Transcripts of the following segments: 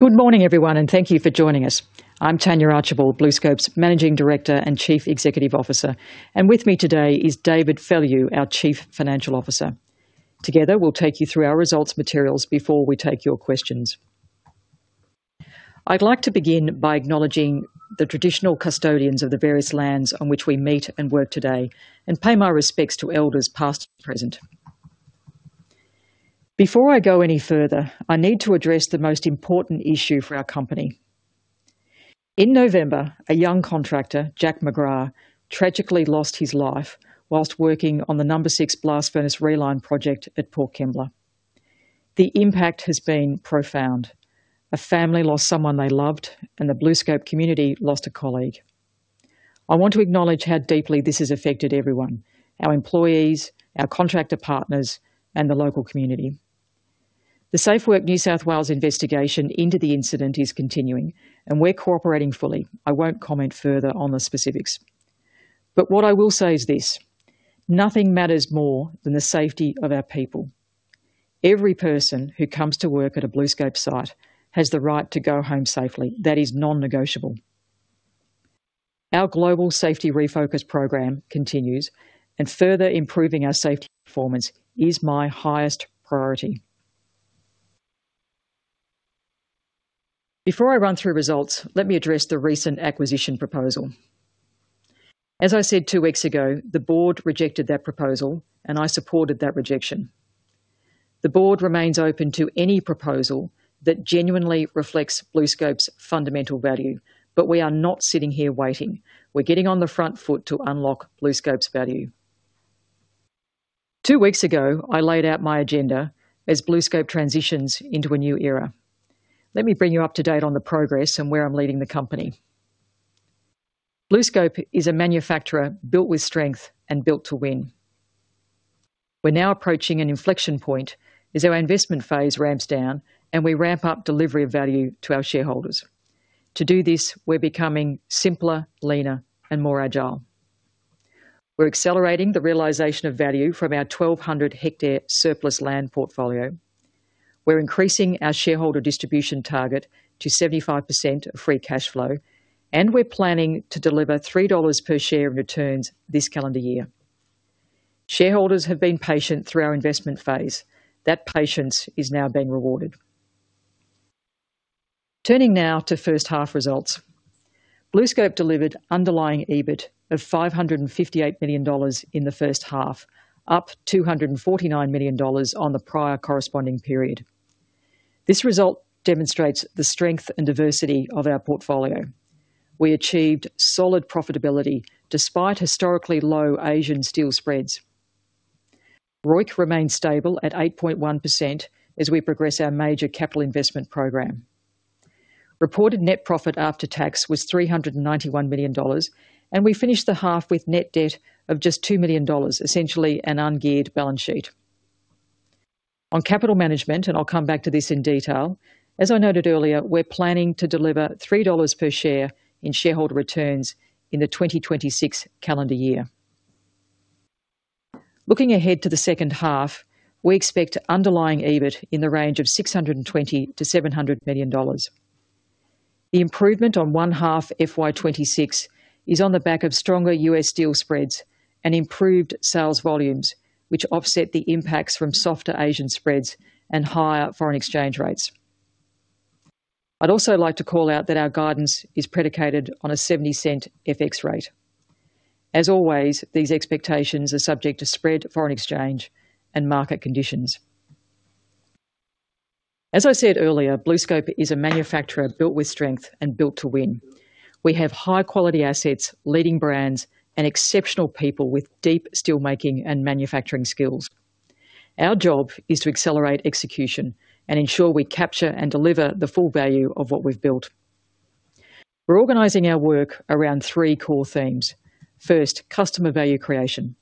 Good morning, everyone, and thank you for joining us. I'm Tania Archibald, BlueScope's Managing Director and Chief Executive Officer, and with me today is David Fallu, our Chief Financial Officer. Together, we'll take you through our results materials before we take your questions. I'd like to begin by acknowledging the traditional custodians of the various lands on which we meet and work today and pay my respects to elders, past and present. Before I go any further, I need to address the most important issue for our company. In November, a young contractor, Jack McGrath, tragically lost his life while working on the No. 6 Blast Furnace reline project at Port Kembla. The impact has been profound. A family lost someone they loved, and the BlueScope community lost a colleague. I want to acknowledge how deeply this has affected everyone, our employees, our contractor partners, and the local community. The SafeWork New South Wales investigation into the incident is continuing, and we're cooperating fully. I won't comment further on the specifics, but what I will say is this: nothing matters more than the safety of our people. Every person who comes to work at a BlueScope site has the right to go home safely. That is non-negotiable. Our Global Safety Refocus program continues, and further improving our safety performance is my highest priority. Before I run through results, let me address the recent acquisition proposal. As I said two weeks ago, the Board rejected that proposal, and I supported that rejection. The Board remains open to any proposal that genuinely reflects BlueScope's fundamental value, but we are not sitting here waiting. We're getting on the front foot to unlock BlueScope's value. Two weeks ago, I laid out my agenda as BlueScope transitions into a new era. Let me bring you up to date on the progress and where I'm leading the company. BlueScope is a manufacturer built with strength and built to win. We're now approaching an inflection point as our investment phase ramps down and we ramp up delivery of value to our shareholders. To do this, we're becoming simpler, leaner, and more agile. We're accelerating the realization of value from our 1,200 ha surplus land portfolio. We're increasing our shareholder distribution target to 75% of free cash flow, and we're planning to deliver 3 dollars per share of returns this calendar year. Shareholders have been patient through our investment phase. That patience is now being rewarded. Turning now to first-half results. BlueScope delivered underlying EBIT of 558 million dollars in the first half, up 249 million dollars on the prior corresponding period. This result demonstrates the strength and diversity of our portfolio. We achieved solid profitability despite historically low Asian steel spreads. ROIC remains stable at 8.1% as we progress our major capital investment program. Reported net profit after tax was 391 million dollars, and we finished the half with net debt of just 2 million dollars, essentially an ungeared balance sheet. On capital management, and I'll come back to this in detail, as I noted earlier, we're planning to deliver $3 per share in shareholder returns in the 2026 calendar year. Looking ahead to the second half, we expect underlying EBIT in the range of 620 million-700 million dollars. The improvement in 1H FY 2026 is on the back of stronger U.S. steel spreads and improved sales volumes, which offset the impacts from softer Asian spreads and higher foreign exchange rates. I'd also like to call out that our guidance is predicated on a 0.70 FX rate. As always, these expectations are subject to spread, foreign exchange, and market conditions. As I said earlier, BlueScope is a manufacturer built with strength and built to win. We have high-quality assets, leading brands, and exceptional people with deep steelmaking and manufacturing skills. Our job is to accelerate execution and ensure we capture and deliver the full value of what we've built. We're organizing our work around three core themes. First, customer value creation.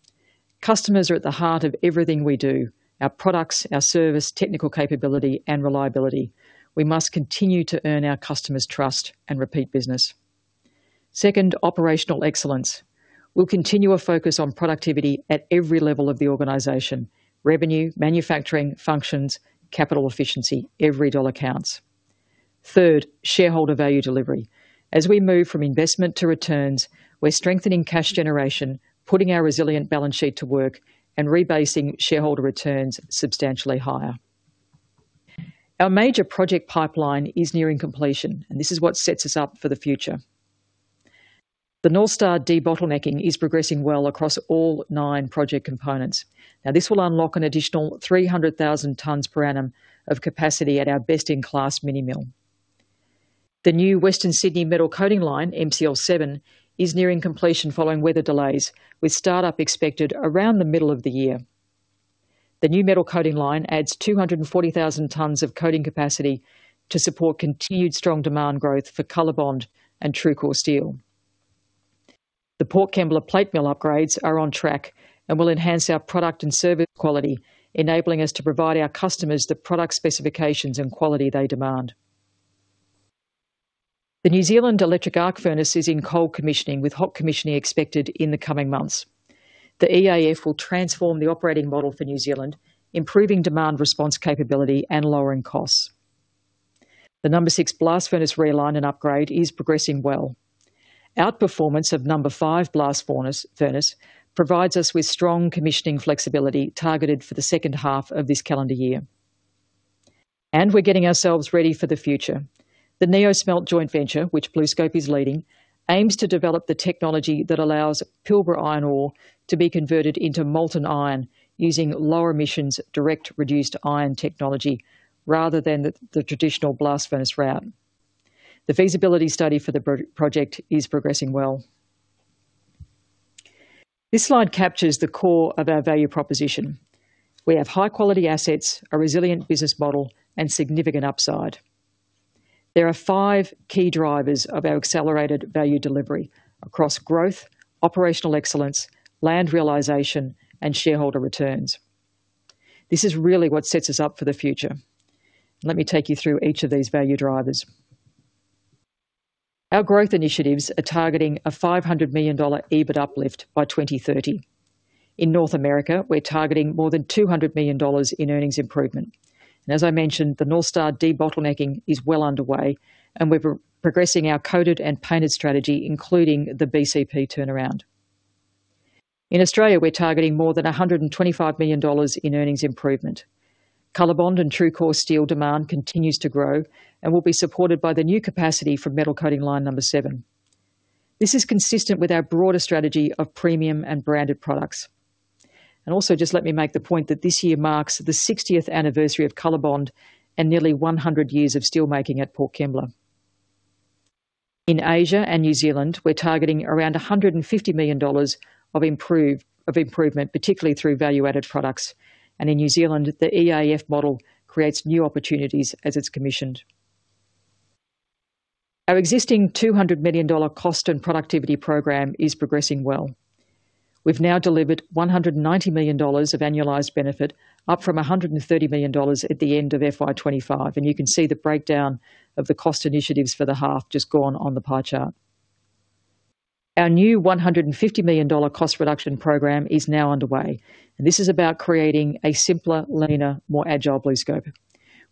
Customers are at the heart of everything we do, our products, our service, technical capability, and reliability. We must continue to earn our customers' trust and repeat business. Second, operational excellence. We'll continue a focus on productivity at every level of the organization: revenue, manufacturing, functions, capital efficiency. Every dollar counts. Third, shareholder value delivery. As we move from investment to returns, we're strengthening cash generation, putting our resilient balance sheet to work, and rebasing shareholder returns substantially higher. Our major project pipeline is nearing completion, and this is what sets us up for the future. The North Star debottlenecking is progressing well across all nine project components. Now, this will unlock an additional 300,000 tons per annum of capacity at our best-in-class mini mill. The new Western Sydney Metal Coating Line, MCL7, is nearing completion following weather delays, with startup expected around the middle of the year. The new Metal Coating Line adds 240,000 tons of coating capacity to support continued strong demand growth for COLORBOND and TRUECORE steel. The Port Kembla plate mill upgrades are on track and will enhance our product and service quality, enabling us to provide our customers the product specifications and quality they demand. The New Zealand electric arc furnace is in cold commissioning, with hot commissioning expected in the coming months. The EAF will transform the operating model for New Zealand, improving demand response capability and lowering costs. The No. 6 Blast Furnace reline and upgrade is progressing well. Outperformance of No. 5 Blast Furnace provides us with strong commissioning flexibility, targeted for the second half of this calendar year. We're getting ourselves ready for the future. The NeoSmelt joint venture, which BlueScope is leading, aims to develop the technology that allows Pilbara iron ore to be converted into molten iron using lower emissions, direct-reduced iron technology, rather than the traditional Blast Furnace route. The feasibility study for the project is progressing well. This slide captures the core of our value proposition. We have high-quality assets, a resilient business model, and significant upside. There are five key drivers of our accelerated value delivery across growth, operational excellence, land realization, and shareholder returns. This is really what sets us up for the future. Let me take you through each of these value drivers. Our growth initiatives are targeting an 500 million dollar EBIT uplift by 2030. In North America, we're targeting more than 200 million dollars in earnings improvement, and as I mentioned, the North Star debottlenecking is well underway, and we're progressing our coated and painted strategy, including the BCP turnaround. In Australia, we're targeting more than 125 million dollars in earnings improvement. COLORBOND and TRUECORE steel demand continues to grow and will be supported by the new capacity for Metal Coating Line #7. This is consistent with our broader strategy of premium and branded products. And also, just let me make the point that this year marks the 60th anniversary of COLORBOND and nearly 100 years of steelmaking at Port Kembla. In Asia and New Zealand, we're targeting around 150 million dollars of improvement, particularly through value-added products. And in New Zealand, the EAF model creates new opportunities as it's commissioned. Our existing 200 million dollar cost and productivity program is progressing well. We've now delivered 190 million dollars of annualized benefit, up from 130 million dollars at the end of FY 2025, and you can see the breakdown of the cost initiatives for the half just gone on the pie chart. Our new 150 million dollar cost reduction program is now underway, and this is about creating a simpler, leaner, more agile BlueScope.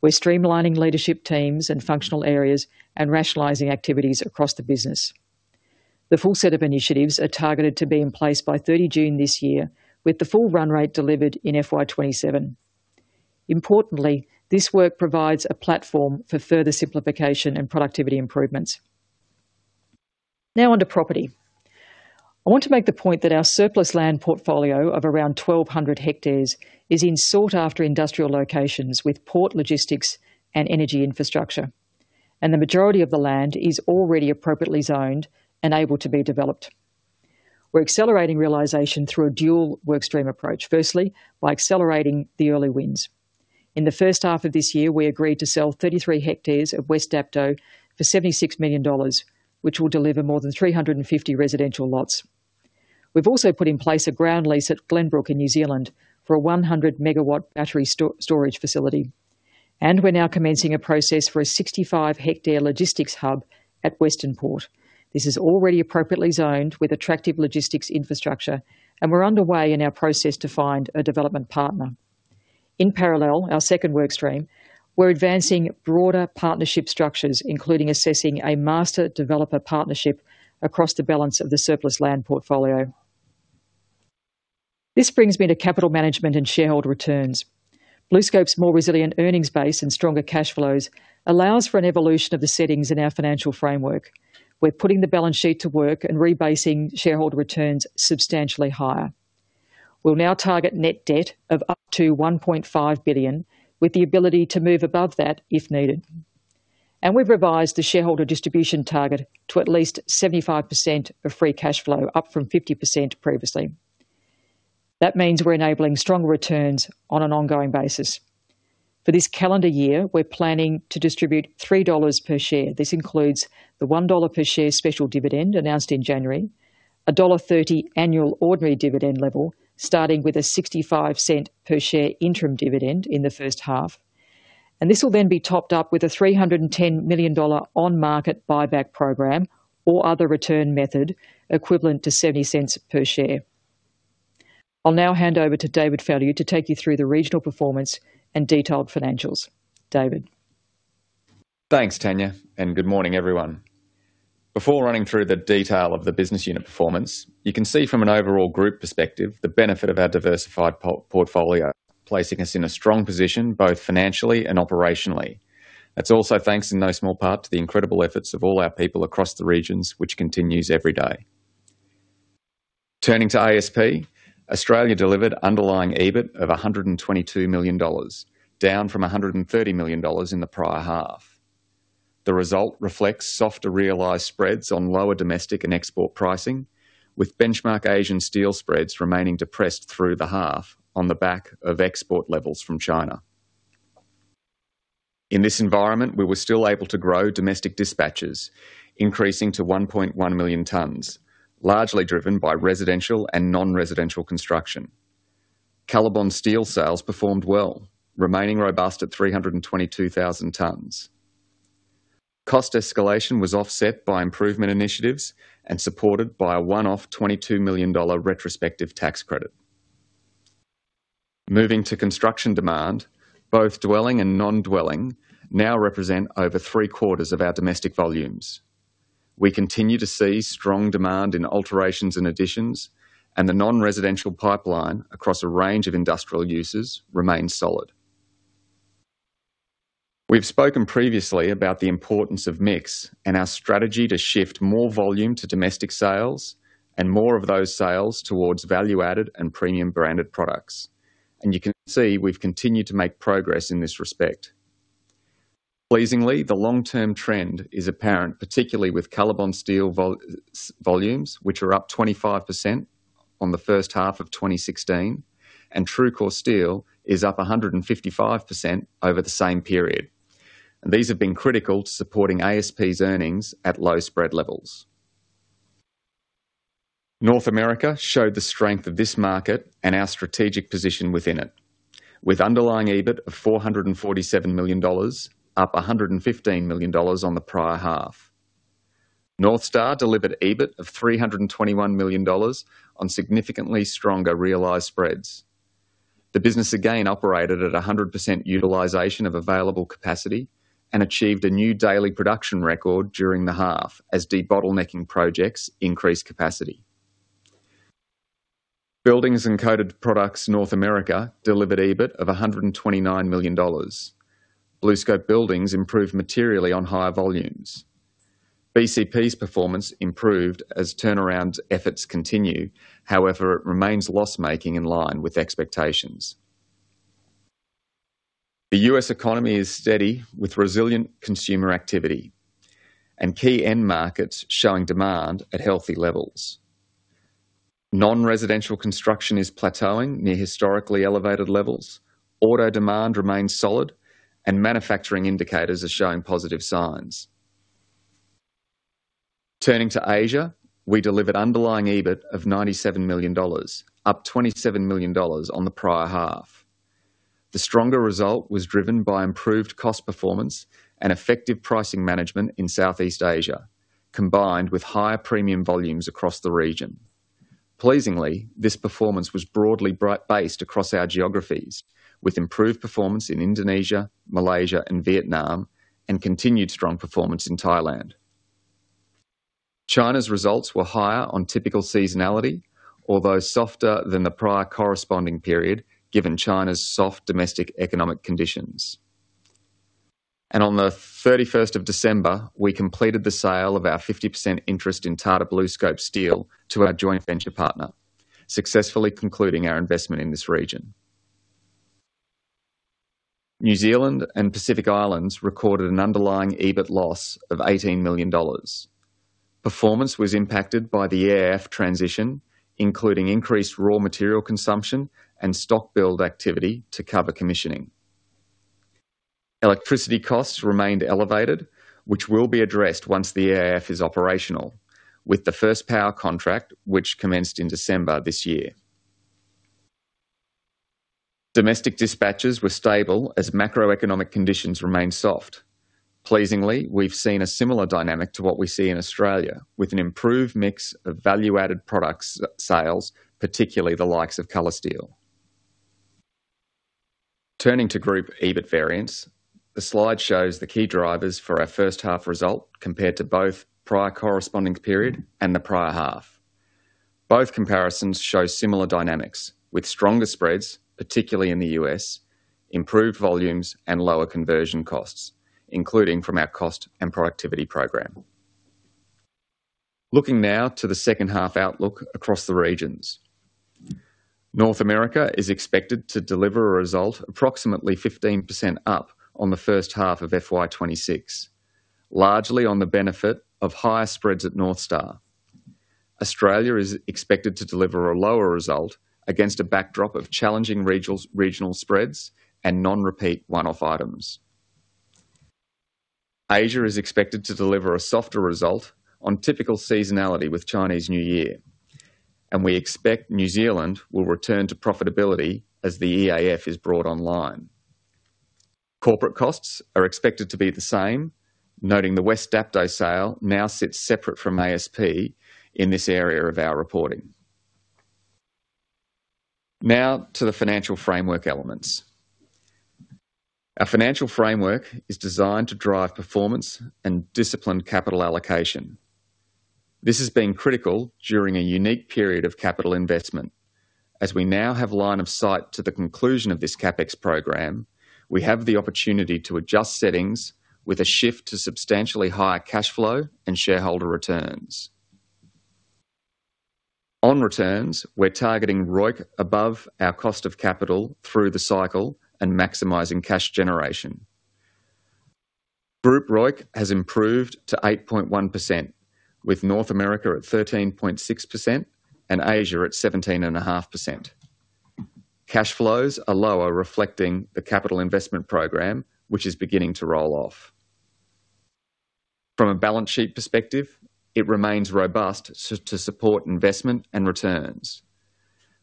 We're streamlining leadership teams and functional areas and rationalizing activities across the business. The full set of initiatives are targeted to be in place by 30 June this year, with the full run rate delivered in FY 2027. Importantly, this work provides a platform for further simplification and productivity improvements. Now, on to property. I want to make the point that our surplus land portfolio of around 1,200 ha is in sought-after industrial locations with port logistics and energy infrastructure, and the majority of the land is already appropriately zoned and able to be developed. We're accelerating realization through a dual workstream approach, firstly, by accelerating the early wins. In the first half of this year, we agreed to sell 33 ha of West Dapto for AUD 76 million, which will deliver more than 350 residential lots. We've also put in place a ground lease at Glenbrook in New Zealand for a 100 MW battery storage facility, and we're now commencing a process for a 65 ha logistics hub at Western Port. This is already appropriately zoned with attractive logistics infrastructure, and we're underway in our process to find a development partner. In parallel, our second workstream, we're advancing broader partnership structures, including assessing a master developer partnership across the balance of the surplus land portfolio. This brings me to capital management and shareholder returns. BlueScope's more resilient earnings base and stronger cash flows allows for an evolution of the settings in our financial framework. We're putting the balance sheet to work and rebasing shareholder returns substantially higher. We'll now target net debt of up to 1.5 billion, with the ability to move above that if needed. And we've revised the shareholder distribution target to at least 75% of free cash flow, up from 50% previously. That means we're enabling strong returns on an ongoing basis. For this calendar year, we're planning to distribute 3 dollars per share. This includes the 1 dollar per share special dividend, announced in January, dollar 1.30 annual ordinary dividend level, starting with an 0.65 per share interim dividend in the first half, and this will then be topped up with an 310 million dollar on-market buyback program or other return method equivalent to 0.70 per share. I'll now hand over to David Fallu, to take you through the regional performance and detailed financials. David? Thanks, Tania, and good morning, everyone. Before running through the detail of the business unit performance, you can see from an overall group perspective the benefit of our diversified portfolio, placing us in a strong position, both financially and operationally. That's also thanks, in no small part, to the incredible efforts of all our people across the regions, which continues every day. Turning to ASP, Australia delivered underlying EBIT of 122 million dollars, down from 130 million dollars in the prior half. The result reflects softer realized spreads on lower domestic and export pricing, with benchmark Asian steel spreads remaining depressed through the half on the back of export levels from China. In this environment, we were still able to grow domestic dispatches, increasing to 1.1 million tons, largely driven by residential and non-residential construction.... COLORBOND steel sales performed well, remaining robust at 322,000 tons. Cost escalation was offset by improvement initiatives and supported by a one-off 22 million dollar retrospective tax credit. Moving to construction demand, both dwelling and non-dwelling now represent over three-quarters of our domestic volumes. We continue to see strong demand in alterations and additions, and the non-residential pipeline across a range of industrial uses remains solid. We've spoken previously about the importance of mix and our strategy to shift more volume to domestic sales and more of those sales towards value-added and premium branded products. You can see we've continued to make progress in this respect. Pleasingly, the long-term trend is apparent, particularly with COLORBOND steel volumes, which are up 25% on the first half of 2016, and TRUECORE steel is up 155% over the same period. These have been critical to supporting ASP's earnings at low spread levels. North America showed the strength of this market and our strategic position within it, with underlying EBIT of $447 million, up $115 million on the prior half. North Star delivered EBIT of $321 million on significantly stronger realized spreads. The business again operated at 100% utilization of available capacity and achieved a new daily production record during the half as debottlenecking projects increased capacity. Buildings and Coated Products, North America, delivered EBIT of $129 million. BlueScope Buildings improved materially on higher volumes. BCP's performance improved as turnaround efforts continue. However, it remains loss-making in line with expectations. The U.S. economy is steady, with resilient consumer activity and key end markets showing demand at healthy levels. Non-residential construction is plateauing near historically elevated levels, auto demand remains solid, and manufacturing indicators are showing positive signs. Turning to Asia, we delivered underlying EBIT of 97 million dollars, up 27 million dollars on the prior half. The stronger result was driven by improved cost performance and effective pricing management in Southeast Asia, combined with higher premium volumes across the region. Pleasingly, this performance was broadly based across our geographies, with improved performance in Indonesia, Malaysia, and Vietnam, and continued strong performance in Thailand. China's results were higher on typical seasonality, although softer than the prior corresponding period, given China's soft domestic economic conditions. On the 31st of December, we completed the sale of our 50% interest in Tata BlueScope Steel to our joint venture partner, successfully concluding our investment in this region. New Zealand and Pacific Islands recorded an underlying EBIT loss of 18 million dollars. Performance was impacted by the EAF transition, including increased raw material consumption and stock build activity to cover commissioning. Electricity costs remained elevated, which will be addressed once the EAF is operational, with the first power contract which commenced in December this year. Domestic dispatches were stable as macroeconomic conditions remained soft. Pleasingly, we've seen a similar dynamic to what we see in Australia, with an improved mix of value-added products, sales, particularly the likes of COLORSTEEL. Turning to group EBIT variance, the slide shows the key drivers for our first half result compared to both prior corresponding period and the prior half. Both comparisons show similar dynamics, with stronger spreads, particularly in the U.S., improved volumes, and lower conversion costs, including from our cost and productivity program. Looking now to the second half outlook across the regions. North America is expected to deliver a result approximately 15% up on the first half of FY 2026, largely on the benefit of higher spreads at North Star. Australia is expected to deliver a lower result against a backdrop of challenging regional spreads and non-repeat one-off items. Asia is expected to deliver a softer result on typical seasonality with Chinese New Year, and we expect New Zealand will return to profitability as the EAF is brought online. Corporate costs are expected to be the same, noting the West Dapto sale now sits separate from ASP in this area of our reporting. Now to the financial framework elements. Our financial framework is designed to drive performance and discipline capital allocation. This has been critical during a unique period of capital investment. As we now have line of sight to the conclusion of this CapEx program, we have the opportunity to adjust settings with a shift to substantially higher cash flow and shareholder returns. On returns, we're targeting ROIC above our cost of capital through the cycle and maximizing cash generation. Group ROIC has improved to 8.1%, with North America at 13.6% and Asia at 17.5%. Cash flows are lower, reflecting the capital investment program, which is beginning to roll off. From a balance sheet perspective, it remains robust, so to support investment and returns.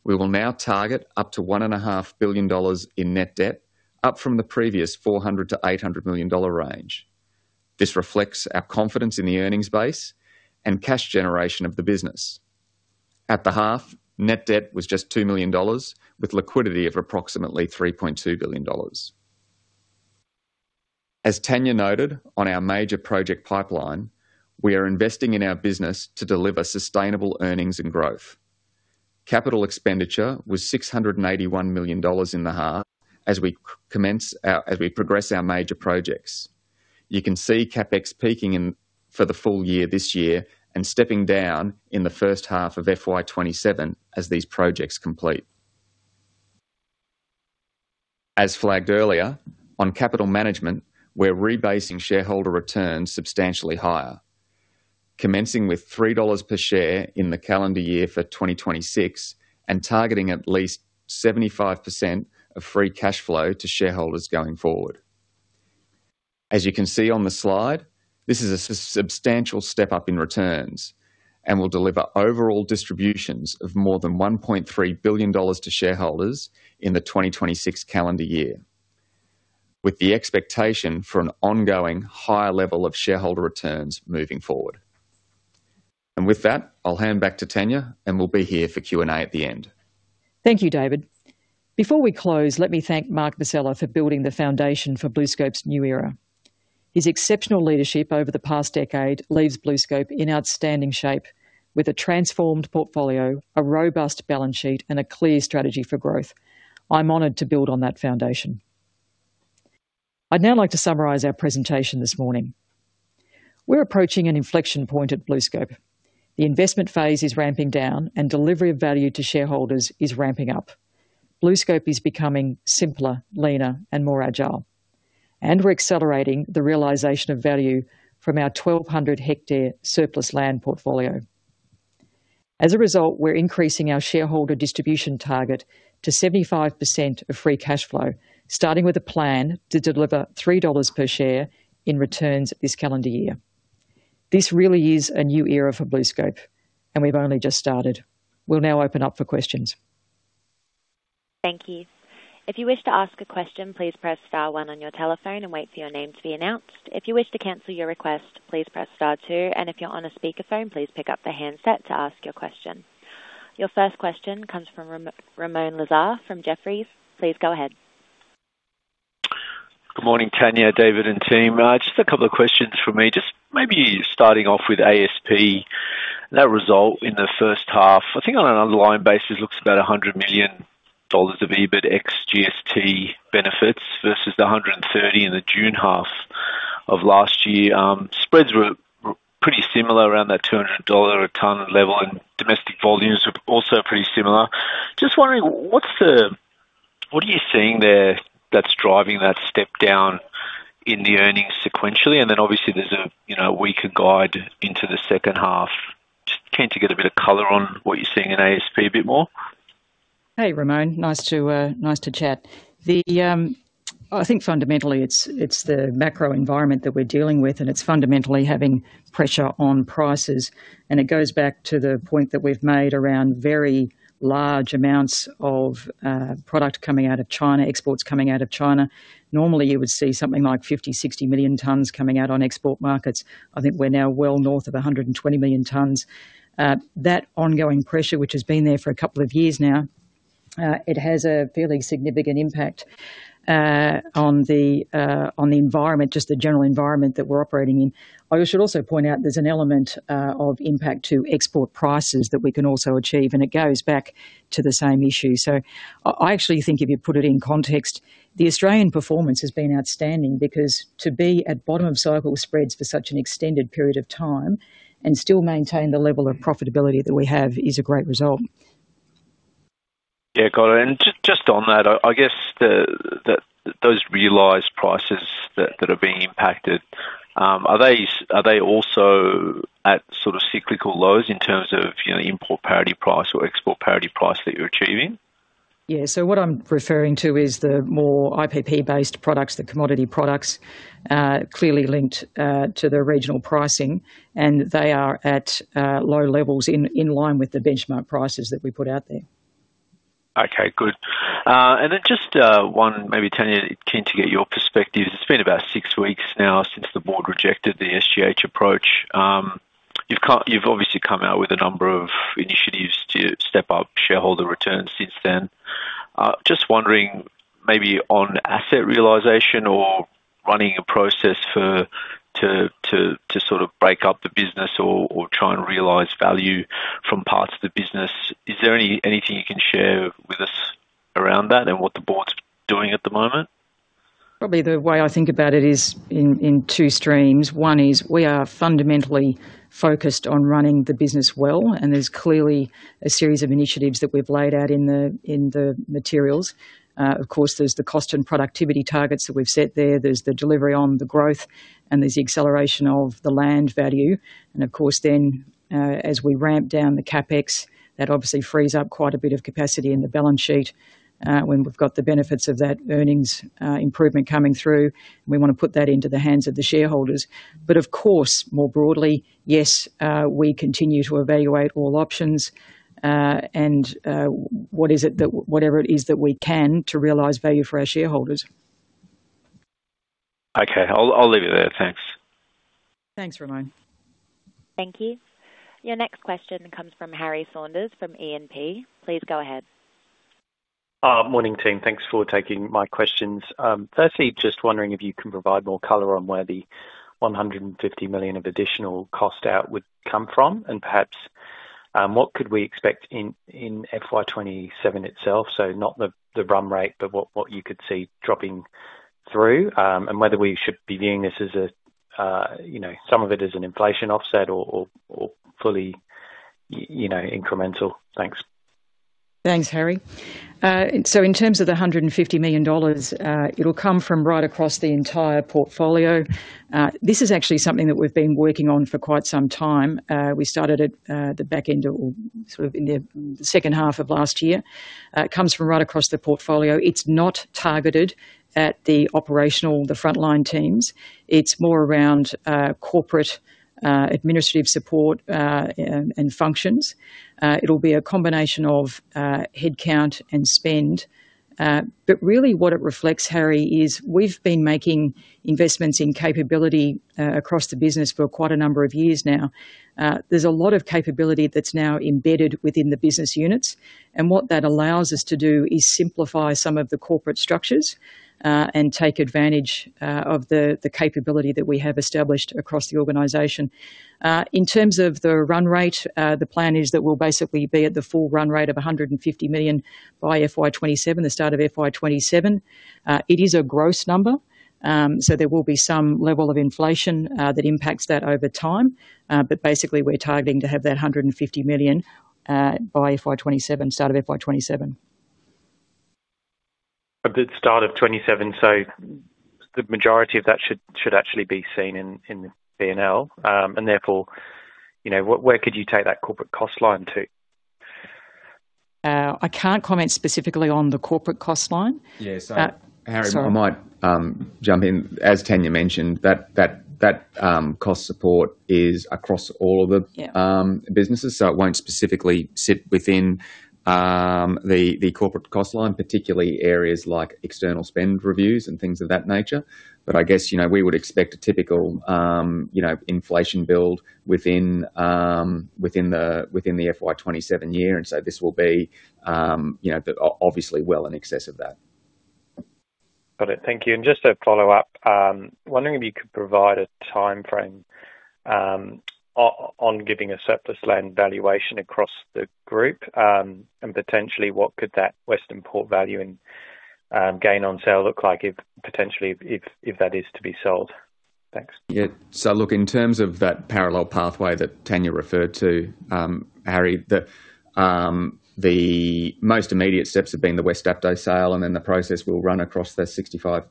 We will now target up to 1.5 billion dollars in net debt, up from the previous 400 million-800 million dollar range. This reflects our confidence in the earnings base and cash generation of the business. At the half, net debt was just 2 million dollars, with liquidity of approximately 3.2 billion dollars. As Tania noted on our major project pipeline, we are investing in our business to deliver sustainable earnings and growth. Capital expenditure was 681 million dollars in the half, as we progress our major projects. You can see CapEx peaking in, for the full year this year and stepping down in the first half of FY 2027 as these projects complete. As flagged earlier, on capital management, we're rebasing shareholder returns substantially higher, commencing with 3 dollars per share in the calendar year for 2026, and targeting at least 75% of free cash flow to shareholders going forward. As you can see on the slide, this is a substantial step up in returns and will deliver overall distributions of more than 1.3 billion dollars to shareholders in the 2026 calendar year, with the expectation for an ongoing higher level of shareholder returns moving forward. And with that, I'll hand back to Tania, and we'll be here for Q&A at the end. Thank you, David. Before we close, let me thank Mark Vassella for building the foundation for BlueScope's new era. His exceptional leadership over the past decade leaves BlueScope in outstanding shape, with a transformed portfolio, a robust balance sheet, and a clear strategy for growth. I'm honored to build on that foundation. I'd now like to summarize our presentation this morning. We're approaching an inflection point at BlueScope. The investment phase is ramping down, and delivery of value to shareholders is ramping up. BlueScope is becoming simpler, leaner, and more agile, and we're accelerating the realization of value from our 1,200 ha surplus land portfolio. As a result, we're increasing our shareholder distribution target to 75% of free cash flow, starting with a plan to deliver 3 dollars per share in returns this calendar year. This really is a new era for BlueScope, and we've only just started. We'll now open up for questions. Thank you. If you wish to ask a question, please press star one on your telephone and wait for your name to be announced. If you wish to cancel your request, please press star two, and if you're on a speakerphone, please pick up the handset to ask your question. Your first question comes from Ramoun Lazar from Jefferies. Please go ahead. Good morning, Tania, David, and team. Just a couple of questions from me. Just maybe starting off with ASP. That result in the first half, I think on an underlying basis, looks about 100 million dollars of EBIT ex GST benefits versus the 130 million in the June half of last year. Spreads were pretty similar around that 200 dollar a ton level, and domestic volumes were also pretty similar. Just wondering, what are you seeing there that's driving that step down in the earnings sequentially? And then obviously there's a you know, weaker guide into the second half. Just keen to get a bit of color on what you're seeing in ASP a bit more. Hey, Ramoun, nice to chat. I think fundamentally, it's the macro environment that we're dealing with, and it's fundamentally having pressure on prices. And it goes back to the point that we've made around very large amounts of product coming out of China, exports coming out of China. Normally, you would see something like 50 million-60 million tons coming out on export markets. I think we're now well north of 120 million tons. That ongoing pressure, which has been there for a couple of years now, it has a fairly significant impact on the environment, just the general environment that we're operating in. I should also point out there's an element of impact to export prices that we can also achieve, and it goes back to the same issue. I actually think if you put it in context, the Australian performance has been outstanding because to be at bottom of cycle spreads for such an extended period of time and still maintain the level of profitability that we have is a great result. Yeah, got it. And just on that, I guess those realized prices that are being impacted, are they also at sort of cyclical lows in terms of, you know, import parity price or export parity price that you're achieving? Yeah, so what I'm referring to is the more IPP-based products, the commodity products, clearly linked to the regional pricing, and they are at low levels in line with the benchmark prices that we put out there. Okay, good. And then just, one, maybe, Tania, keen to get your perspective. It's been about six weeks now since the Board rejected the SGH approach. You've obviously come out with a number of initiatives to step up shareholder returns since then. Just wondering, maybe on asset realization or running a process to sort of break up the business or try and realize value from parts of the business, is there anything you can share with us around that and what the Board's doing at the moment? Probably the way I think about it is in two streams. One is we are fundamentally focused on running the business well, and there's clearly a series of initiatives that we've laid out in the materials. Of course, there's the cost and productivity targets that we've set there, there's the delivery on the growth, and there's the acceleration of the land value. And of course, then, as we ramp down the CapEx, that obviously frees up quite a bit of capacity in the balance sheet. When we've got the benefits of that earnings improvement coming through, we want to put that into the hands of the shareholders. But of course, more broadly, yes, we continue to evaluate all options, and what is it that... Whatever it is that we can to realize value for our shareholders. Okay, I'll leave it there. Thanks. Thanks, Ramoun. Thank you. Your next question comes from Harry Saunders, from E&P. Please go ahead. Morning, team. Thanks for taking my questions. Firstly, just wondering if you can provide more color on where the 150 million of additional cost out would come from, and perhaps, what could we expect in FY 2027 itself? So not the run rate, but what you could see dropping through, and whether we should be viewing this as a, you know, some of it as an inflation offset or fully, you know, incremental. Thanks. Thanks, Harry. So in terms of the 150 million dollars, it'll come from right across the entire portfolio. This is actually something that we've been working on for quite some time. We started at the back end or sort of in the second half of last year. It comes from right across the portfolio. It's not targeted at the operational, the frontline teams. It's more around corporate, administrative support, and functions. It'll be a combination of headcount and spend. But really what it reflects, Harry, is we've been making investments in capability across the business for quite a number of years now. There's a lot of capability that's now embedded within the business units, and what that allows us to do is simplify some of the corporate structures, and take advantage of the capability that we have established across the organization. In terms of the run rate, the plan is that we'll basically be at the full run rate of 150 million by FY 2027, the start of FY 2027. It is a gross number, so there will be some level of inflation that impacts that over time. But basically, we're targeting to have that 150 million by FY 2027, start of FY 2027. But the start of 2027, so the majority of that should actually be seen in the P&L, and therefore, you know, what- where could you take that corporate cost line to? I can't comment specifically on the corporate cost line. Yeah, so- Uh, sorry. Harry, I might jump in. As Tania mentioned, that cost support is across all of the- Yeah Businesses, so it won't specifically sit within the corporate cost line, particularly areas like external spend reviews and things of that nature. But I guess, you know, we would expect a typical, you know, inflation build within the FY 2027 year, and so this will be, you know, but obviously well in excess of that. Got it. Thank you. And just a follow-up, wondering if you could provide a timeframe, on giving a surplus land valuation across the group, and potentially, what could that Western Port value and, gain on sale look like if, potentially, if that is to be sold? Thanks. Yeah. So look, in terms of that parallel pathway that Tania referred to, Harry, the most immediate steps have been the West Dapto sale, and then the process will run across the 65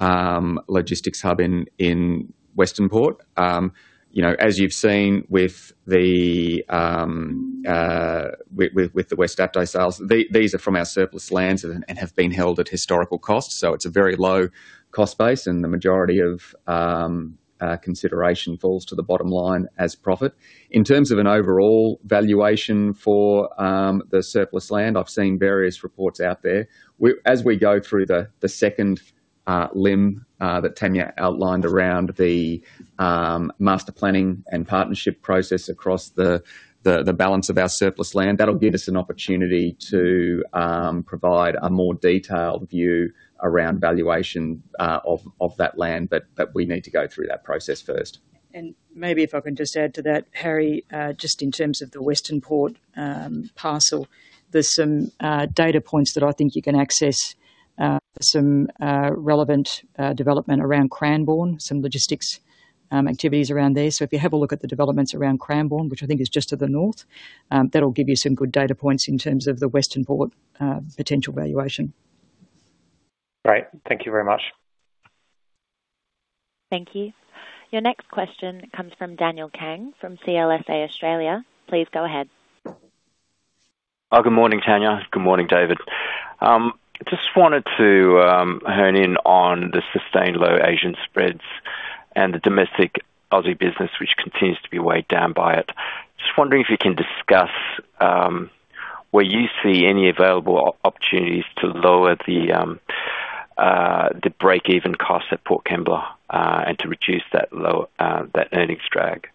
ha logistics hub in Western Port. You know, as you've seen with the West Dapto sales, these are from our surplus lands and have been held at historical costs, so it's a very low cost base, and the majority of consideration falls to the bottom line as profit. In terms of an overall valuation for the surplus land, I've seen various reports out there. As we go through the second limb that Tania outlined around the master planning and partnership process across the balance of our surplus land, that'll give us an opportunity to provide a more detailed view around valuation of that land, but we need to go through that process first. And maybe if I can just add to that, Harry, just in terms of the Western Port parcel, there's some data points that I think you can access, some relevant development around Cranbourne, some logistics activities around there. So if you have a look at the developments around Cranbourne, which I think is just to the north, that'll give you some good data points in terms of the Western Port potential valuation. Great. Thank you very much. Thank you. Your next question comes from Daniel Kang from CLSA Australia. Please go ahead. Good morning, Tania. Good morning, David. Just wanted to hone in on the sustained low Asian spreads and the domestic Aussie business, which continues to be weighed down by it. Just wondering if you can discuss where you see any available opportunities to lower the break-even costs at Port Kembla and to reduce that low earnings drag?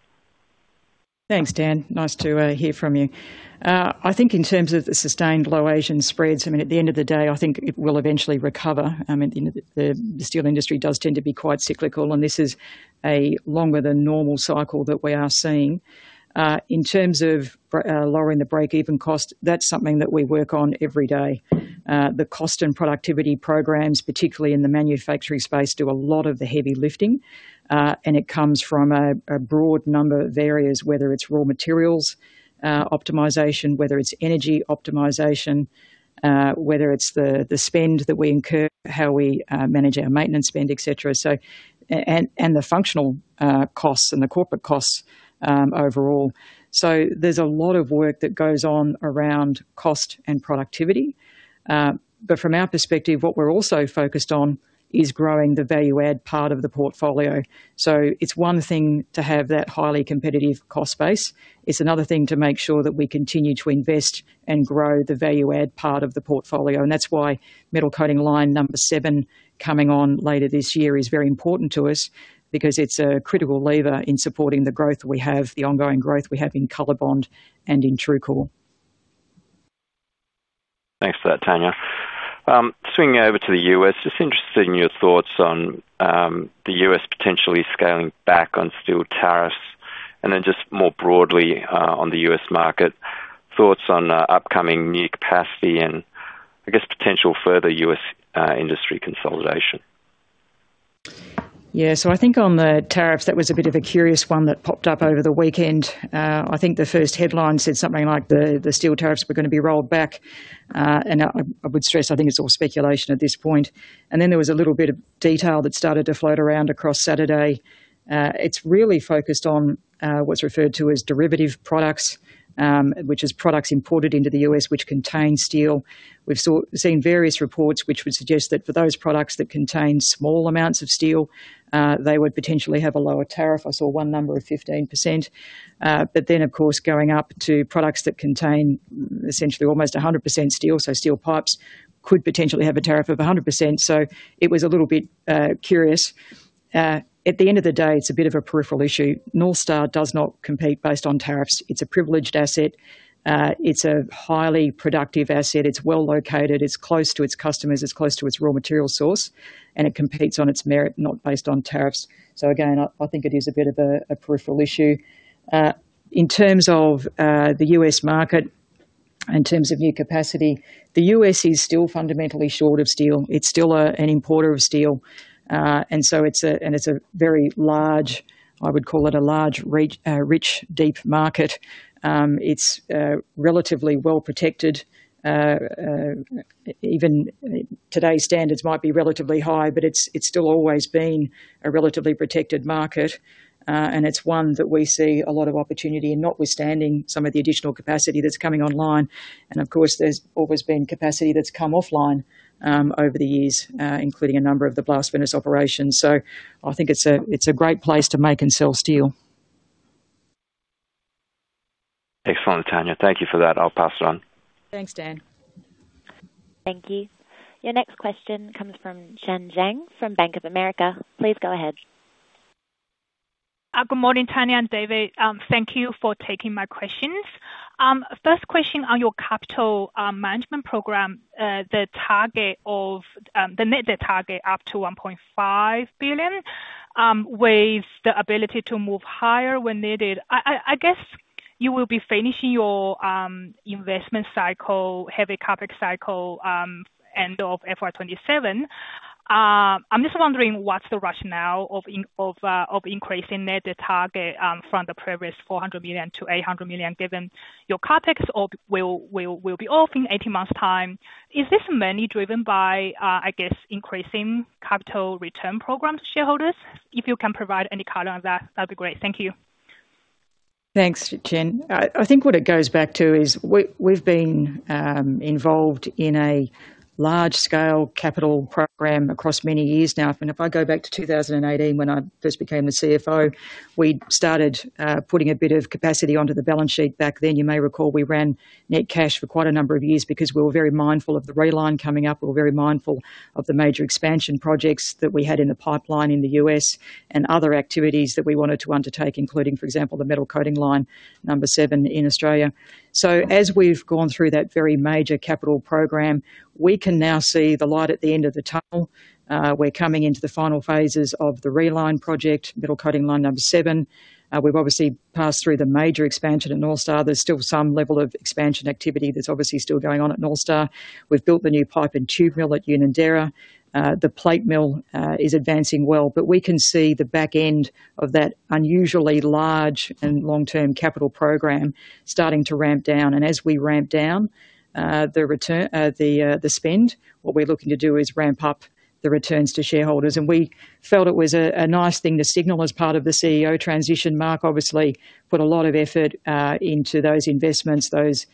Thanks, Dan. Nice to hear from you. I think in terms of the sustained low Asian spreads, I mean, at the end of the day, I think it will eventually recover. I mean, the steel industry does tend to be quite cyclical, and this is a longer than normal cycle that we are seeing. In terms of lowering the break-even cost, that's something that we work on every day. The cost and productivity programs, particularly in the manufacturing space, do a lot of the heavy lifting, and it comes from a broad number of areas, whether it's raw materials optimization, whether it's energy optimization, whether it's the spend that we incur, how we manage our maintenance spend, et cetera. So, and the functional costs and the corporate costs, overall. So there's a lot of work that goes on around cost and productivity, but from our perspective, what we're also focused on is growing the value add part of the portfolio. So it's one thing to have that highly competitive cost base. It's another thing to make sure that we continue to invest and grow the value add part of the portfolio, and that's why Metal Coating Line #7 coming on later this year is very important to us because it's a critical lever in supporting the growth we have, the ongoing growth we have in COLORBOND and in TRUECORE. Thanks for that, Tania. Swinging over to the U.S., just interested in your thoughts on, the U.S. potentially scaling back on steel tariffs, and then just more broadly, on the U.S. market, thoughts on, upcoming new capacity and I guess potential further U.S., industry consolidation. Yeah. So I think on the tariffs, that was a bit of a curious one that popped up over the weekend. I think the first headline said something like the steel tariffs were gonna be rolled back. And I would stress, I think it's all speculation at this point. And then there was a little bit of detail that started to float around across Saturday. It's really focused on what's referred to as derivative products, which is products imported into the U.S. which contain steel. We've seen various reports which would suggest that for those products that contain small amounts of steel, they would potentially have a lower tariff. I saw one number of 15%, but then, of course, going up to products that contain essentially almost 100% steel, so steel pipes could potentially have a tariff of 100%, so it was a little bit curious. At the end of the day, it's a bit of a peripheral issue. North Star does not compete based on tariffs. It's a privileged asset. It's a highly productive asset. It's well located, it's close to its customers, it's close to its raw material source, and it competes on its merit, not based on tariffs. So again, I think it is a bit of a peripheral issue. In terms of the U.S. market, in terms of new capacity, the U.S. is still fundamentally short of steel. It's still an importer of steel, and so it's a very large. I would call it a large, rich, rich, deep market. It's relatively well protected, even today's standards might be relatively high, but it's still always been a relatively protected market, and it's one that we see a lot of opportunity and notwithstanding some of the additional capacity that's coming online. And of course, there's always been capacity that's come offline over the years, including a number of the Blast Furnace operations. So I think it's a great place to make and sell steel. Excellent, Tania. Thank you for that. I'll pass it on. Thanks, Dan. Thank you. Your next question comes from Chen Jiang from Bank of America. Please go ahead. Good morning, Tania and David. Thank you for taking my questions. First question on your capital management program, the target of the net, the target up to 1.5 billion, with the ability to move higher when needed. I guess you will be finishing your investment cycle, heavy CapEx cycle, end of FY 2027. I'm just wondering, what's the rationale of increasing net, the target, from the previous 400 million to 800 million, given your CapEx will be off in eighteen months' time? Is this mainly driven by increasing capital return program to shareholders? If you can provide any color on that, that'd be great. Thank you. Thanks, Chen. I think what it goes back to is we've been involved in a large-scale capital program across many years now. If I go back to 2018, when I first became the CFO, we started putting a bit of capacity onto the balance sheet. Back then, you may recall we ran net cash for quite a number of years because we were very mindful of the reline coming up. We were very mindful of the major expansion projects that we had in the pipeline in the U.S. and other activities that we wanted to undertake, including, for example, the Metal Coating Line #7 in Australia. As we've gone through that very major capital program, we can now see the light at the end of the tunnel. We're coming into the final phases of the reline project, Metal Coating Line #7. We've obviously passed through the major expansion at North Star. There's still some level of expansion activity that's obviously still going on at North Star. We've built the new pipe and tube mill at Unanderra. The plate mill is advancing well, but we can see the back end of that unusually large and long-term capital program starting to ramp down, and as we ramp down the return, the spend, what we're looking to do is ramp up the returns to shareholders. And we felt it was a nice thing to signal as part of the CEO transition. Mark obviously put a lot of effort into those investments, those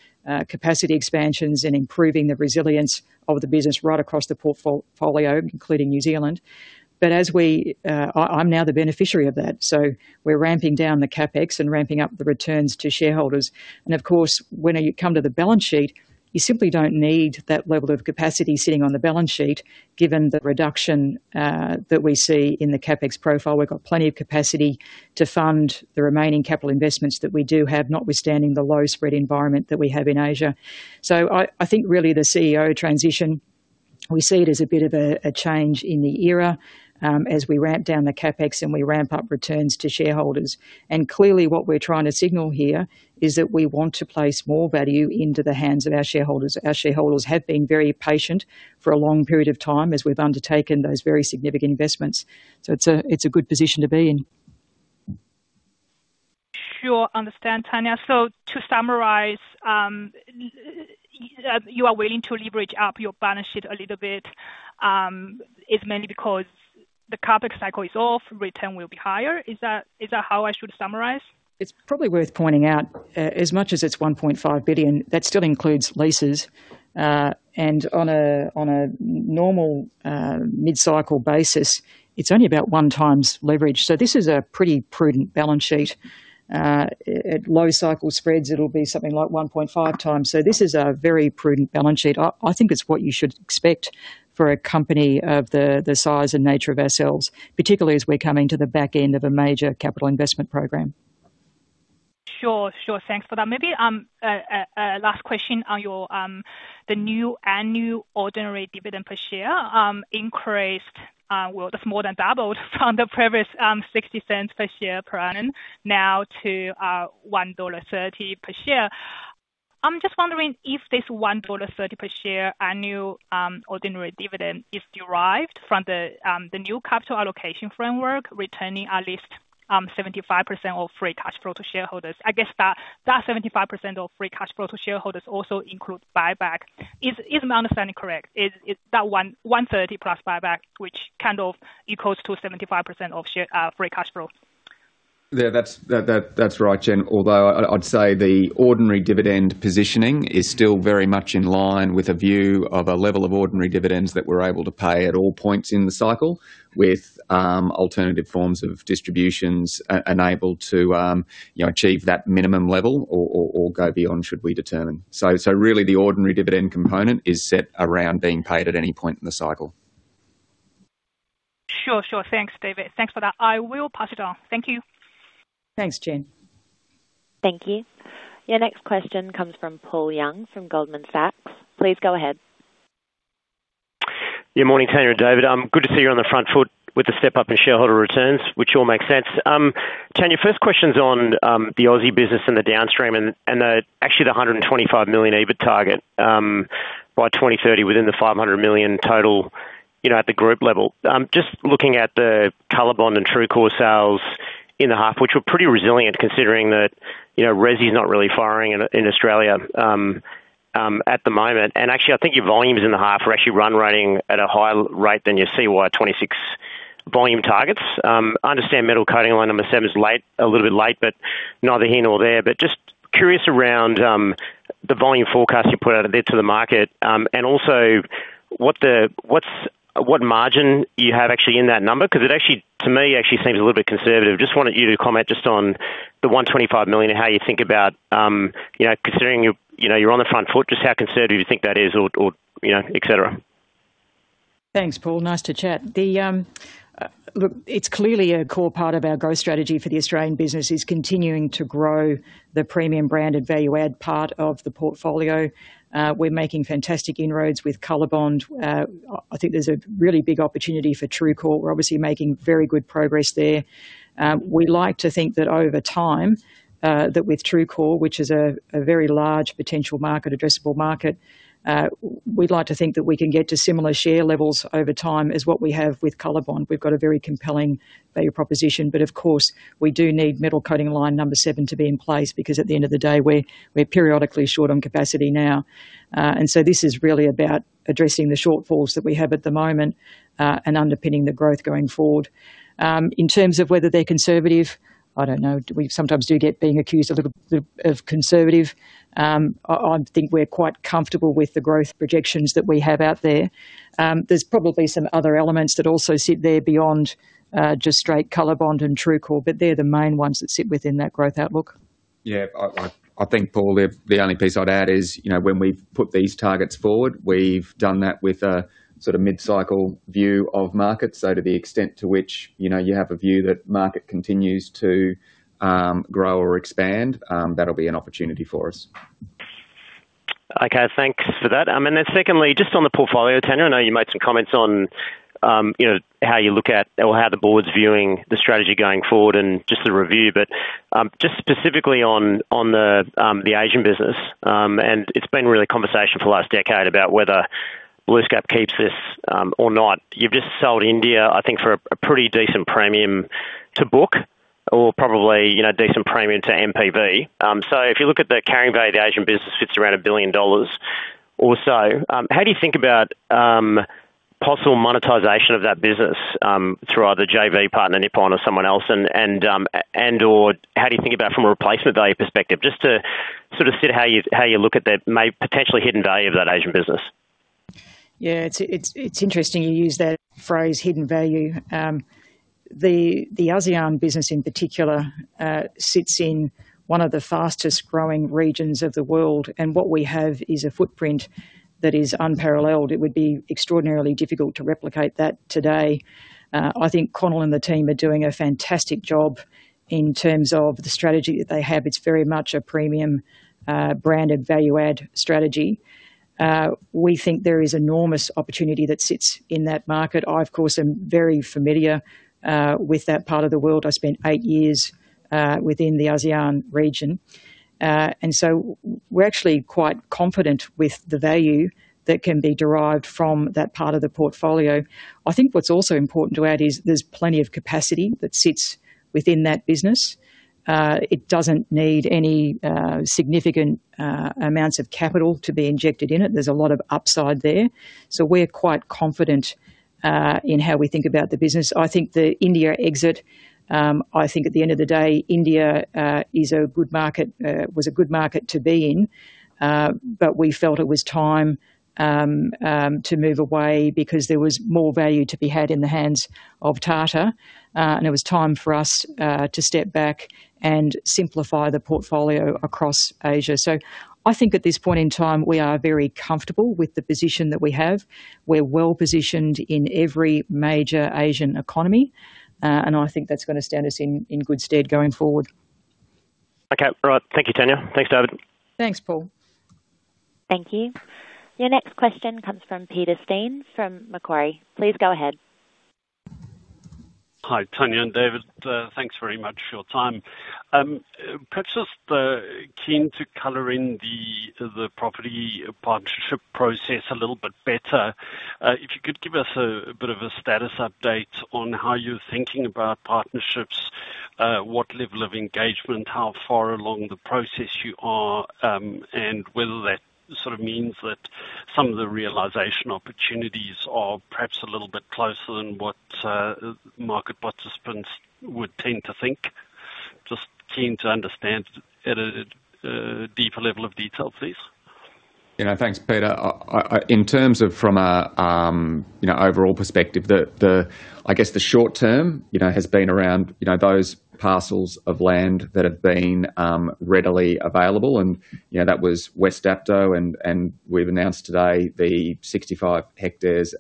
capacity expansions, and improving the resilience of the business right across the portfolio, including New Zealand. But as we, I, I'm now the beneficiary of that, so we're ramping down the CapEx and ramping up the returns to shareholders. And of course, when you come to the balance sheet, you simply don't need that level of capacity sitting on the balance sheet, given the reduction that we see in the CapEx profile. We've got plenty of capacity to fund the remaining capital investments that we do have, notwithstanding the low spread environment that we have in Asia. So I think really the CEO transition, we see it as a bit of a change in the era, as we ramp down the CapEx and we ramp up returns to shareholders. Clearly, what we're trying to signal here is that we want to place more value into the hands of our shareholders. Our shareholders have been very patient for a long period of time as we've undertaken those very significant investments. It's a, it's a good position to be in. Sure, understand, Tania. So to summarize, you are willing to leverage up your balance sheet a little bit, it's mainly because the CapEx cycle is off, return will be higher. Is that, is that how I should summarize? It's probably worth pointing out, as much as it's 1.5 billion, that still includes leases, and on a normal mid-cycle basis, it's only about 1x leverage. So this is a pretty prudent balance sheet. At low cycle spreads, it'll be something like 1.5x. So this is a very prudent balance sheet. I think it's what you should expect for a company of the size and nature of ourselves, particularly as we're coming to the back end of a major capital investment program. Sure, sure. Thanks for that. Maybe a last question on your the new annual ordinary dividend per share, increased, well, that's more than doubled from the previous, 0.60 per share per annum, now to 1.30 dollar per share. I'm just wondering if this 1.30 dollar per share annual ordinary dividend is derived from the the new capital allocation framework, returning at least 75% of free cash flow to shareholders. I guess that, that 75% of free cash flow to shareholders also includes buyback. Is, is my understanding correct? Is, is that one, 1.30+ buyback, which kind of equals to 75% of share free cash flow? Yeah, that's right, Chen. Although I'd say the ordinary dividend positioning is still very much in line with a view of a level of ordinary dividends that we're able to pay at all points in the cycle with alternative forms of distributions enabled to, you know, achieve that minimum level or go beyond should we determine. So really, the ordinary dividend component is set around being paid at any point in the cycle. Sure. Sure. Thanks, David. Thanks for that. I will pass it on. Thank you. Thanks, Chen. Thank you. Your next question comes from Paul Young, from Goldman Sachs. Please go ahead. Yeah, morning, Tania and David. Good to see you on the front foot with the step up in shareholder returns, which all makes sense. Tania, first question's on the Aussie business and the downstream, and actually the 125 million EBIT target by 2030, within the 500 million total, you know, at the group level. Just looking at the COLORBOND and TRUECORE sales in the half, which were pretty resilient, considering that, you know, resi's not really firing in Australia at the moment. And actually, I think your volumes in the half are actually run rating at a higher rate than your CY 2026 volume targets. I understand Metal Coating Line #7 is late, a little bit late, but neither here nor there. But just curious around the volume forecast you put out there to the market, and also what the, what's, what margin you have actually in that number, because it actually, to me, actually seems a little bit conservative. Just wanted you to comment just on the 125 million and how you think about, you know, considering you, you know, you're on the front foot, just how conservative you think that is or, or, you know, et cetera. Thanks, Paul. Nice to chat. Look, it's clearly a core part of our growth strategy for the Australian business is continuing to grow the premium brand and value add part of the portfolio. We're making fantastic inroads with COLORBOND. I think there's a really big opportunity for TRUECORE. We're obviously making very good progress there. We like to think that over time, that with TRUECORE, which is a very large potential market, addressable market, we'd like to think that we can get to similar share levels over time as what we have with COLORBOND. We've got a very compelling value proposition, but of course, we do need Metal Coating Line #7 to be in place, because at the end of the day, we're periodically short on capacity now. And so this is really about addressing the shortfalls that we have at the moment, and underpinning the growth going forward. In terms of whether they're conservative, I don't know. We sometimes do get being accused of conservative. I think we're quite comfortable with the growth projections that we have out there. There's probably some other elements that also sit there beyond just straight COLORBOND and TRUECORE, but they're the main ones that sit within that growth outlook. Yeah, I think, Paul, the only piece I'd add is, you know, when we've put these targets forward, we've done that with a sort of mid-cycle view of markets. So to the extent to which, you know, you have a view that market continues to grow or expand, that'll be an opportunity for us. Okay, thanks for that. And then secondly, just on the portfolio, Tania, I know you made some comments on, you know, how you look at or how the Board's viewing the strategy going forward and just the review, but just specifically on the Asian business, and it's been really a conversation for the last decade about whether BlueScope keeps this or not. You've just sold India, I think, for a pretty decent premium to book or probably, you know, decent premium to NPV. So if you look at the carrying value, the Asian business sits around 1 billion dollars or so. How do you think about possible monetization of that business through either JV, partner Nippon or someone else? And/or how do you think about it from a replacement value perspective? Just to sort of see how you look at the potentially hidden value of that Asian business. Yeah, it's interesting you use that phrase, "hidden value." The ASEAN business in particular sits in one of the fastest growing regions of the world, and what we have is a footprint that is unparalleled. It would be extraordinarily difficult to replicate that today. I think Connell and the team are doing a fantastic job in terms of the strategy that they have. It's very much a premium brand and value add strategy. We think there is enormous opportunity that sits in that market. I, of course, am very familiar with that part of the world. I spent eight years within the ASEAN region. And so we're actually quite confident with the value that can be derived from that part of the portfolio. I think what's also important to add is there's plenty of capacity that sits within that business. It doesn't need any significant amounts of capital to be injected in it. There's a lot of upside there, so we're quite confident in how we think about the business. I think the India exit, I think at the end of the day, India is a good market, was a good market to be in, but we felt it was time to move away because there was more value to be had in the hands of Tata. And it was time for us to step back and simplify the portfolio across Asia. So I think at this point in time, we are very comfortable with the position that we have. We're well-positioned in every major Asian economy, and I think that's gonna stand us in good stead going forward. Okay, all right. Thank you, Tania. Thanks, David. Thanks, Paul. Thank you. Your next question comes from Peter Steyn from Macquarie. Please go ahead. Hi, Tania and David. Thanks very much for your time. Perhaps just keen to color in the property partnership process a little bit better. If you could give us a bit of a status update on how you're thinking about partnerships, what level of engagement, how far along the process you are, and whether that sort of means that some of the realization opportunities are perhaps a little bit closer than what market participants would tend to think. Just keen to understand at a deeper level of detail, please. Yeah, thanks, Peter. In terms of from a, you know, overall perspective, I guess the short term, you know, has been around, you know, those parcels of land that have been readily available, and, you know, that was West Dapto, and we've announced today the 65 ha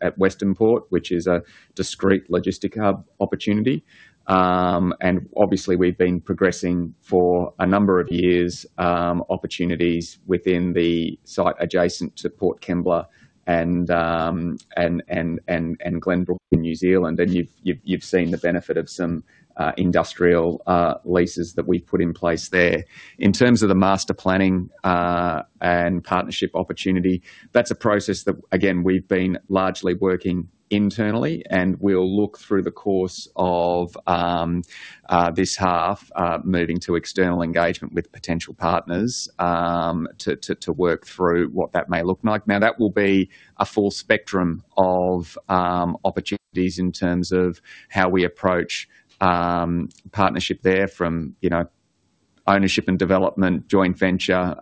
at Western Port, which is a discrete logistic hub opportunity. And obviously, we've been progressing for a number of years, opportunities within the site adjacent to Port Kembla and Glenbrook in New Zealand, and you've seen the benefit of some industrial leases that we've put in place there. In terms of the master planning, and partnership opportunity, that's a process that, again, we've been largely working internally, and we'll look through the course of, this half, moving to external engagement with potential partners, to work through what that may look like. Now, that will be a full spectrum of, opportunities in terms of how we approach, partnership there from, you know, ownership and development, joint venture,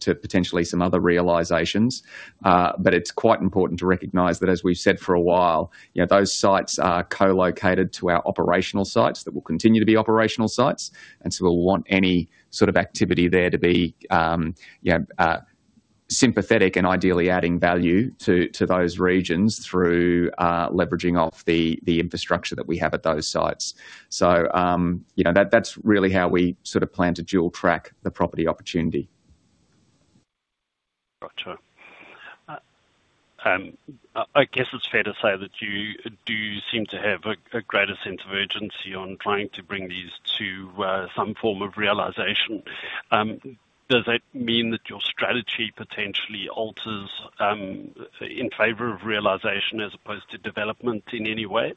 to potentially some other realizations. But it's quite important to recognize that, as we've said for a while, you know, those sites are co-located to our operational sites, that will continue to be operational sites, and so we'll want any sort of activity there to be, you know, sympathetic and ideally adding value to those regions through leveraging off the infrastructure that we have at those sites. So, you know, that's really how we sort of plan to dual track the property opportunity. Gotcha. I guess it's fair to say that you do seem to have a greater sense of urgency on trying to bring these to some form of realization. Does that mean that your strategy potentially alters in favor of realization as opposed to development in any way?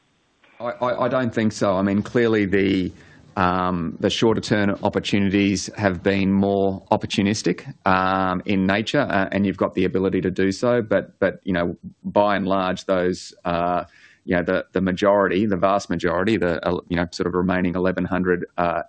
I don't think so. I mean, clearly, the shorter-term opportunities have been more opportunistic in nature, and you've got the ability to do so. But you know, by and large, those you know, the majority, the vast majority, you know, sort of remaining 1,100 ha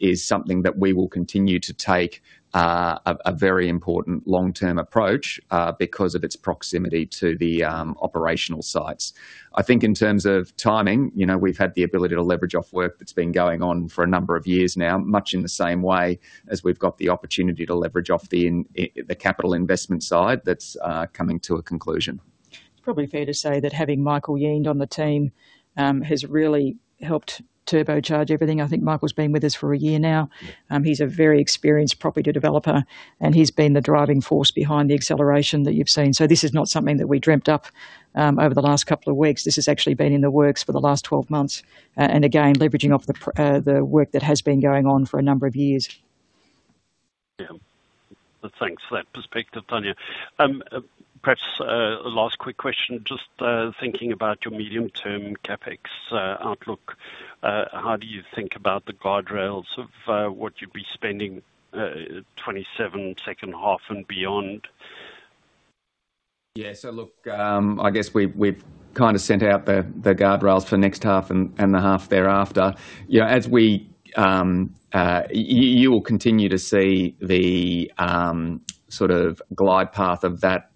is something that we will continue to take a very important long-term approach because of its proximity to the operational sites. I think in terms of timing, you know, we've had the ability to leverage off work that's been going on for a number of years now, much in the same way as we've got the opportunity to leverage off the capital investment side that's coming to a conclusion. It's probably fair to say that having Michael Yiend on the team has really helped turbocharge everything. I think Michael's been with us for a year now. He's a very experienced property developer, and he's been the driving force behind the acceleration that you've seen. So this is not something that we dreamt up over the last couple of weeks. This has actually been in the works for the last 12 months. And again, leveraging off the work that has been going on for a number of years. Yeah. Well, thanks for that perspective, Tania. Perhaps a last quick question. Just thinking about your medium-term CapEx outlook, how do you think about the guardrails of what you'd be spending 2027, second half and beyond? Yeah. So look, I guess we've kind of sent out the guardrails for next half and the half thereafter. You know, as we, uh... You will continue to see the sort of glide path of that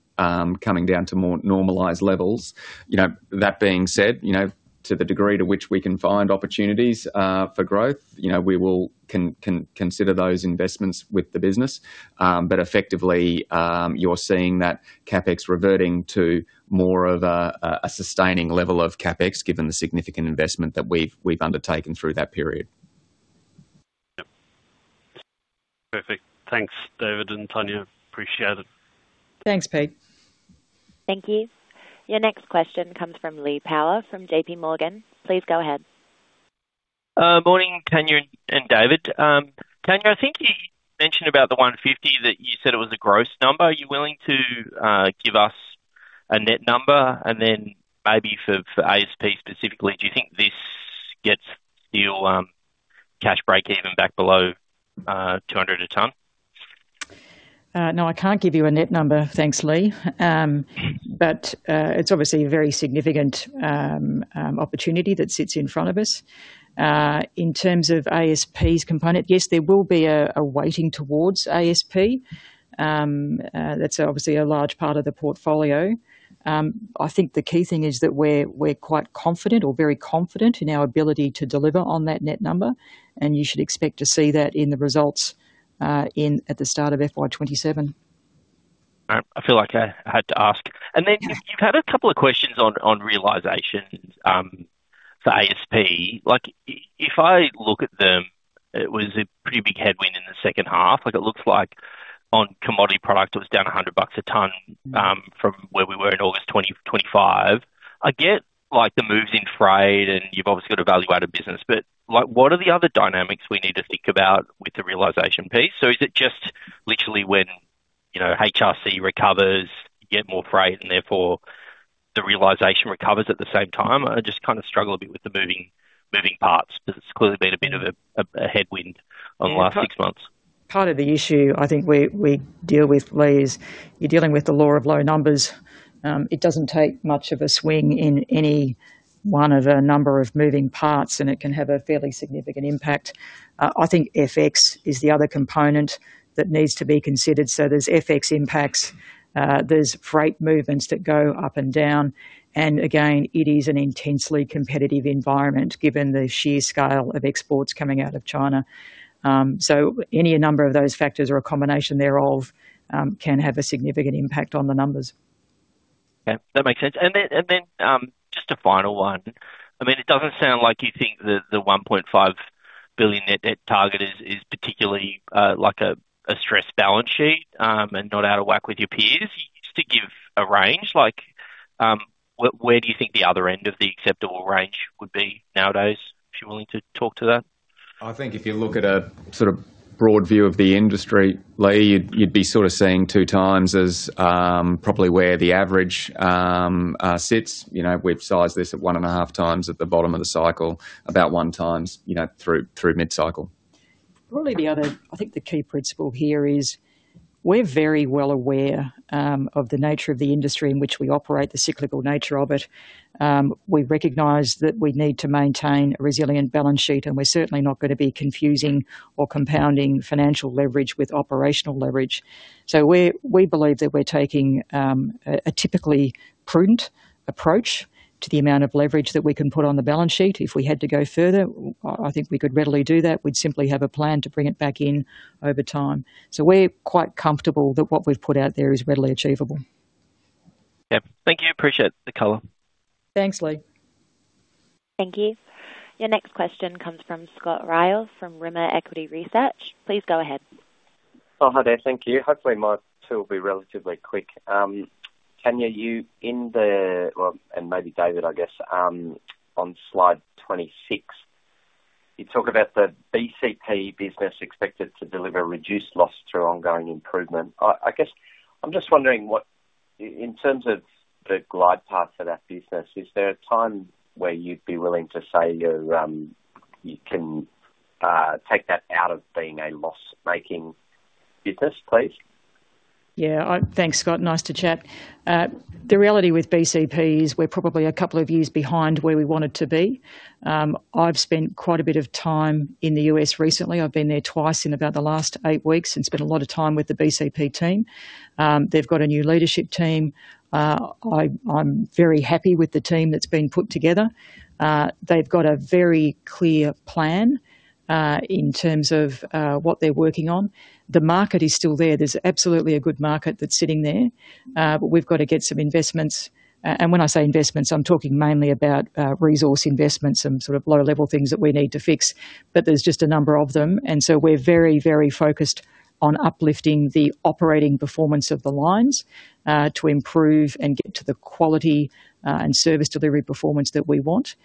coming down to more normalized levels. You know, that being said, you know, to the degree to which we can find opportunities for growth, you know, we will consider those investments with the business. But effectively, you're seeing that CapEx reverting to more of a sustaining level of CapEx, given the significant investment that we've undertaken through that period. Yep. Perfect. Thanks, David and Tania. Appreciate it. Thanks, Pete. Thank you. Your next question comes from Lee Power, from JPMorgan. Please go ahead. Morning, Tania and David. Tania, I think you mentioned about the 150, that you said it was a gross number. Are you willing to give us a net number? And then maybe for ASP specifically, do you think this gets your cash break even back below 200 a tonne? No, I can't give you a net number. Thanks, Lee. But, it's obviously a very significant opportunity that sits in front of us. In terms of ASP's component, yes, there will be a weighting towards ASP. That's obviously a large part of the portfolio. I think the key thing is that we're quite confident or very confident in our ability to deliver on that net number, and you should expect to see that in the results, at the start of FY 2027. I feel like I had to ask. Then just, you've had a couple of questions on realizations for ASP. Like, if I look at them, it was a pretty big headwind in the second half. Like, it looks like on commodity product, it was down $100 a ton from where we were in August 2025. I get, like, the moves in freight, and you've obviously got a value-added business, but, like, what are the other dynamics we need to think about with the realization piece? So is it just literally when, you know, HRC recovers, you get more freight, and therefore the realization recovers at the same time? I just kind of struggle a bit with the moving parts because it's clearly been a bit of a headwind on the last six months. Part of the issue, I think we deal with, Lee, is you're dealing with the law of low numbers. It doesn't take much of a swing in any one of a number of moving parts, and it can have a fairly significant impact. I think FX is the other component that needs to be considered. So there's FX impacts, there's freight movements that go up and down, and again, it is an intensely competitive environment, given the sheer scale of exports coming out of China. So any number of those factors or a combination thereof can have a significant impact on the numbers. Yeah, that makes sense. And then, and then, just a final one. I mean, it doesn't sound like you think the, the 1.5 billion net debt target is, is particularly, like a, a stressed balance sheet, and not out of whack with your peers. You used to give a range, like, where, where do you think the other end of the acceptable range would be nowadays, if you're willing to talk to that? I think if you look at a sort of broad view of the industry, Lee, you'd be sort of seeing 2x as, probably where the average sits. You know, we've sized this at 1.5x at the bottom of the cycle, about 1x, you know, through mid-cycle. Probably the other, I think the key principle here is we're very well aware of the nature of the industry in which we operate, the cyclical nature of it. We recognize that we need to maintain a resilient balance sheet, and we're certainly not gonna be confusing or compounding financial leverage with operational leverage. So we're, we believe that we're taking a typically prudent approach to the amount of leverage that we can put on the balance sheet. If we had to go further, I think we could readily do that. We'd simply have a plan to bring it back in over time. So we're quite comfortable that what we've put out there is readily achievable. Yep. Thank you. Appreciate the color. Thanks, Lee. Thank you. Your next question comes from Scott Ryall, from Rimor Equity Research. Please go ahead. Oh, hi there. Thank you. Hopefully, my two will be relatively quick. Tania, you in the... Well, and maybe David, I guess, on slide 26, you talk about the BCP business expected to deliver reduced loss through ongoing improvement. I guess, I'm just wondering what, in terms of the glide path for that business, is there a time where you'd be willing to say you're you can take that out of being a loss-making business, please? Yeah. Thanks, Scott. Nice to chat. The reality with BCP is we're probably a couple of years behind where we wanted to be. I've spent quite a bit of time in the U.S. recently. I've been there twice in about the last eight weeks and spent a lot of time with the BCP team. They've got a new leadership team. I, I'm very happy with the team that's been put together. They've got a very clear plan, in terms of, what they're working on. The market is still there. There's absolutely a good market that's sitting there, but we've got to get some investments. And when I say investments, I'm talking mainly about resource investments and sort of lower-level things that we need to fix, but there's just a number of them, and so we're very, very focused on uplifting the operating performance of the lines to improve and get to the quality and service delivery performance that we want.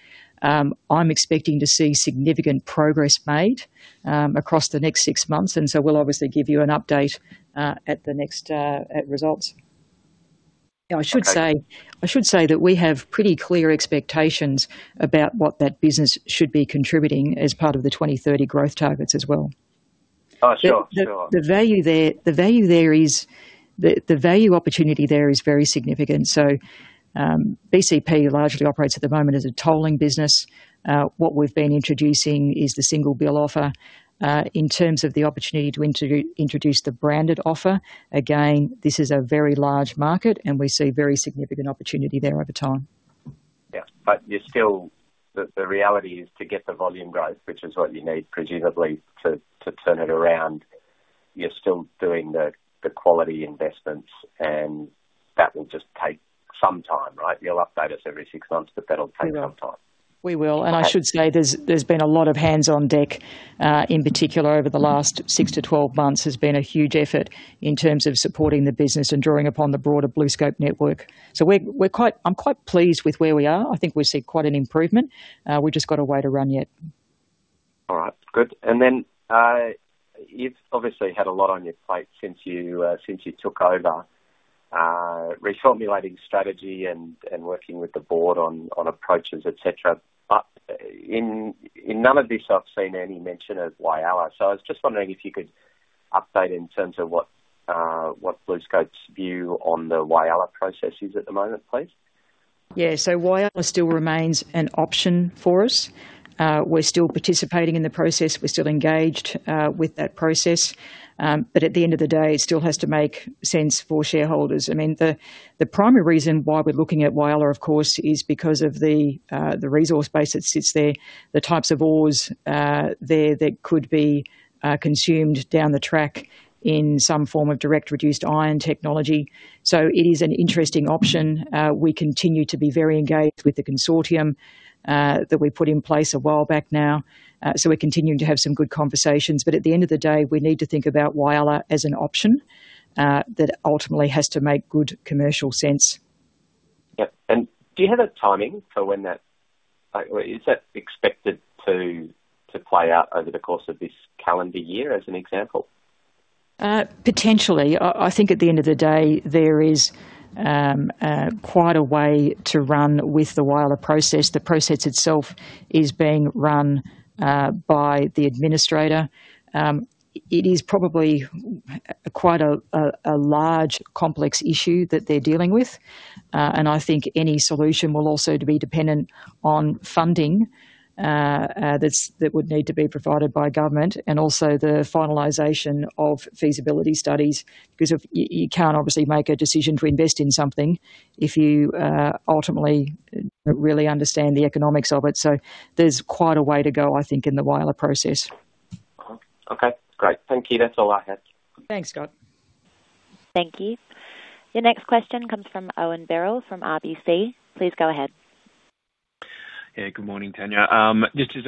I'm expecting to see significant progress made across the next six months, and so we'll obviously give you an update at the next at results. I should say, I should say that we have pretty clear expectations about what that business should be contributing as part of the 2030 growth targets as well. Oh, sure. Sure. The value opportunity there is very significant. So, BCP largely operates at the moment as a tolling business. What we've been introducing is the single bill offer. In terms of the opportunity to introduce the branded offer, again, this is a very large market, and we see very significant opportunity there over time. Yeah, but you're still. The reality is to get the volume growth, which is what you need, presumably, to turn it around, you're still doing the quality investments, and that will just take some time, right? You'll update us every six months, but that'll take some time. We will. I should say, there's been a lot of hands on deck, in particular over the last six to 12 months, there's been a huge effort in terms of supporting the business and drawing upon the broader BlueScope network. So we're quite. I'm quite pleased with where we are. I think we've seen quite an improvement. We've just got a way to run yet. All right, good. And then, you've obviously had a lot on your plate since you, since you took over, reformulating strategy and, and working with the Board on, on approaches, et cetera. But in, in none of this, I've seen any mention of Whyalla, so I was just wondering if you could update in terms of what, what BlueScope's view on the Whyalla process is at the moment, please? Yeah, so Whyalla still remains an option for us. We're still participating in the process. We're still engaged with that process. But at the end of the day, it still has to make sense for shareholders. I mean, the primary reason why we're looking at Whyalla, of course, is because of the resource base that sits there, the types of ores there that could be consumed down the track in some form of Direct Reduced Iron technology. So it is an interesting option. We continue to be very engaged with the consortium that we put in place a while back now. So we're continuing to have some good conversations, but at the end of the day, we need to think about Whyalla as an option that ultimately has to make good commercial sense. Yep, and do you have a timing for when that, or is that expected to play out over the course of this calendar year as an example? Potentially. I think at the end of the day, there is quite a way to run with the Whyalla process. The process itself is being run by the administrator. It is probably quite a large, complex issue that they're dealing with, and I think any solution will also to be dependent on funding, that would need to be provided by government, and also the finalization of feasibility studies, because if you can't obviously make a decision to invest in something if you ultimately don't really understand the economics of it. So there's quite a way to go, I think, in the Whyalla process. Uh-huh. Okay, great. Thank you. That's all I had. Thanks, Scott. Thank you. The next question comes from Owen Birrell from RBC. Please go ahead. Yeah, good morning, Tania. This is,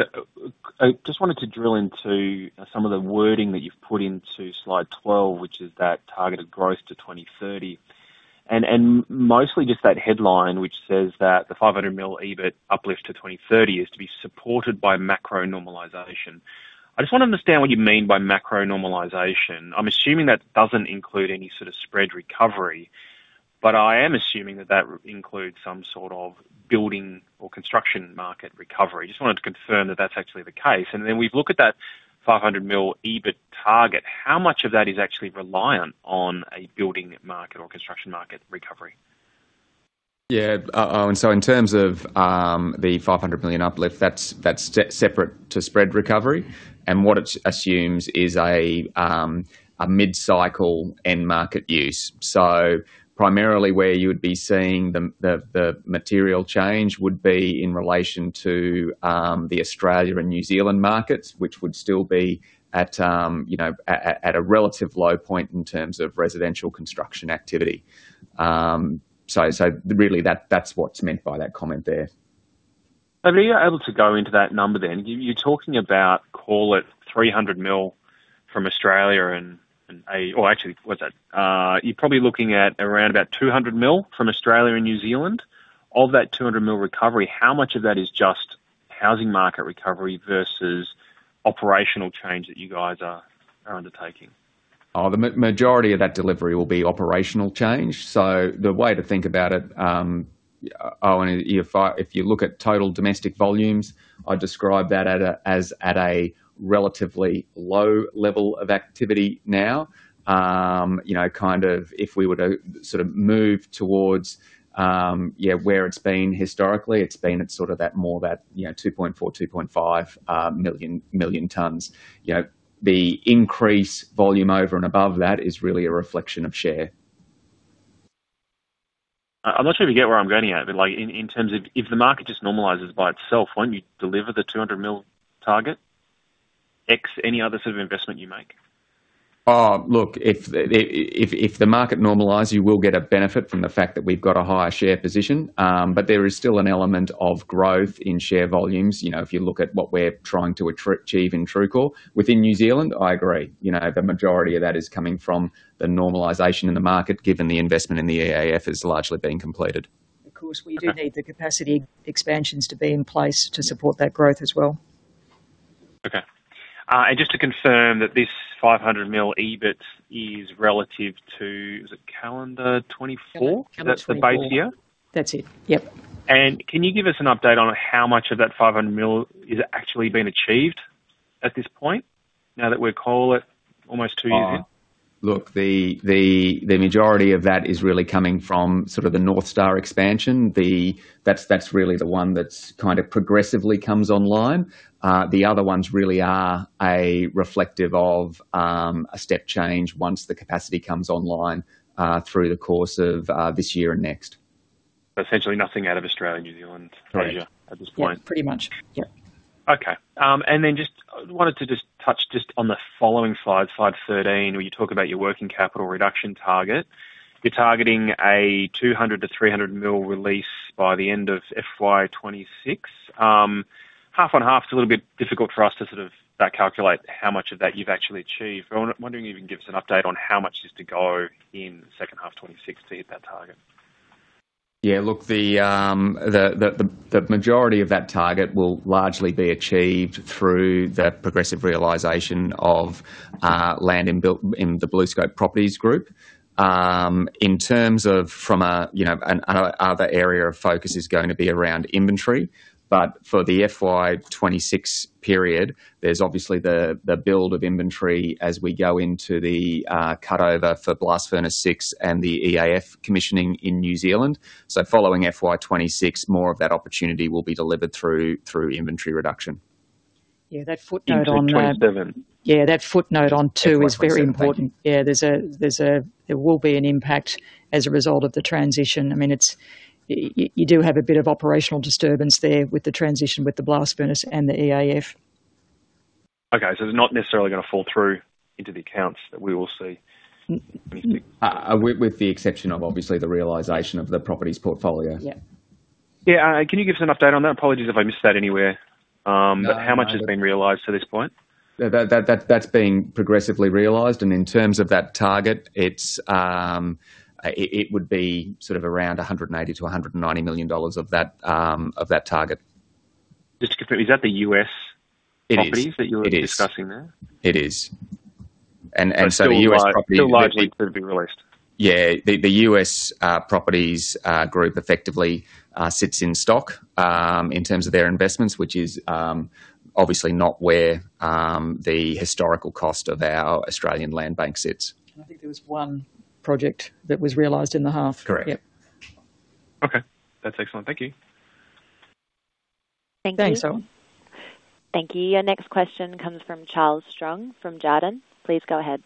I just wanted to drill into some of the wording that you've put into slide 12, which is that targeted growth to 2030. And mostly just that headline, which says that the 500 million EBIT uplift to 2030 is to be supported by macro normalization. I just want to understand what you mean by macro normalization. I'm assuming that doesn't include any sort of spread recovery, but I am assuming that that includes some sort of building or construction market recovery. Just wanted to confirm that that's actually the case. And then we look at that 500 million EBIT target, how much of that is actually reliant on a building market or construction market recovery? Yeah, Owen, so in terms of the 500 million uplift, that's, that's separate to spread recovery, and what it assumes is a mid-cycle end market use. So primarily where you would be seeing the material change would be in relation to the Australia and New Zealand markets, which would still be at, you know, at a relative low point in terms of residential construction activity. So really, that, that's what's meant by that comment there. Are you able to go into that number then? You, you're talking about, call it 300 million from Australia and... or actually, what's that? You're probably looking at around about 200 million from Australia and New Zealand. Of that 200 million recovery, how much of that is just housing market recovery versus operational change that you guys are undertaking? The majority of that delivery will be operational change, so the way to think about it, Owen, if you look at total domestic volumes, I'd describe that as at a relatively low level of activity now. You know, kind of if we were to sort of move towards where it's been historically, it's been at sort of that more that, you know, 2.4 million-2.5 million tons. You know, the increase volume over and above that is really a reflection of share. I'm not sure if you get where I'm getting at, but like in terms of if the market just normalizes by itself, won't you deliver the 200 million target? Ex any other sort of investment you make. Oh, look, if the market normalizes, you will get a benefit from the fact that we've got a higher share position, but there is still an element of growth in share volumes. You know, if you look at what we're trying to achieve in TRUECORE, within New Zealand, I agree. You know, the majority of that is coming from the normalization in the market, given the investment in the EAF has largely been completed. Of course- Okay We do need the capacity expansions to be in place to support that growth as well. Okay. And just to confirm that this 500 million EBIT is relative to, is it calendar 2024? Calendar 2024. That's the base year? That's it. Yep. Can you give us an update on how much of that 500 million is actually being achieved at this point, now that we're, call it, almost two years in? Look, the majority of that is really coming from sort of the North Star expansion. That's really the one that's kind of progressively comes online. The other ones really are reflective of a step change once the capacity comes online through the course of this year and next. Essentially nothing out of Australia and New Zealand- Right Asia at this point? Pretty much, yeah. Okay, and then just I wanted to just touch just on the following slide, slide 13, where you talk about your working capital reduction target. You're targeting a 200 million-300 million release by the end of FY 2026. Half and half is a little bit difficult for us to sort of calculate how much of that you've actually achieved. I'm wondering if you can give us an update on how much is to go in the second half of 2016 at that target? Yeah, look, the majority of that target will largely be achieved through the progressive realization of land and built in the BlueScope Properties Group. In terms of from a, you know, another area of focus is going to be around inventory, but for the FY 2026 period, there's obviously the build of inventory as we go into the cutover for Blast Furnace No.6 and the EAF commissioning in New Zealand. So following FY 2026, more of that opportunity will be delivered through inventory reduction. Yeah, that footnote on that- Into 2027. Yeah, that footnote on two is very important. Yeah. There will be an impact as a result of the transition. I mean, you do have a bit of operational disturbance there with the transition with the Blast Furnace and the EAF. Okay, so it's not necessarily gonna fall through into the accounts that we will see? With the exception of obviously the realization of the properties portfolio. Yeah. Yeah, can you give us an update on that? Apologies if I missed that anywhere. But how much has been realized to this point? That's been progressively realized, and in terms of that target, it's it would be sort of around 180 million-190 million dollars of that target. Just confirm, is that the U.S.- It is. Properties that you're discussing there? It is. And so the U.S. property- Still largely to be released? Yeah. The US properties group effectively sits in stock in terms of their investments, which is obviously not where the historical cost of our Australian land bank sits. I think there was one project that was realized in the half. Correct. Yep. Okay. That's excellent. Thank you. Thank you. Thanks, Owen. Thank you. Your next question comes from Charles Strong, from Jarden. Please go ahead.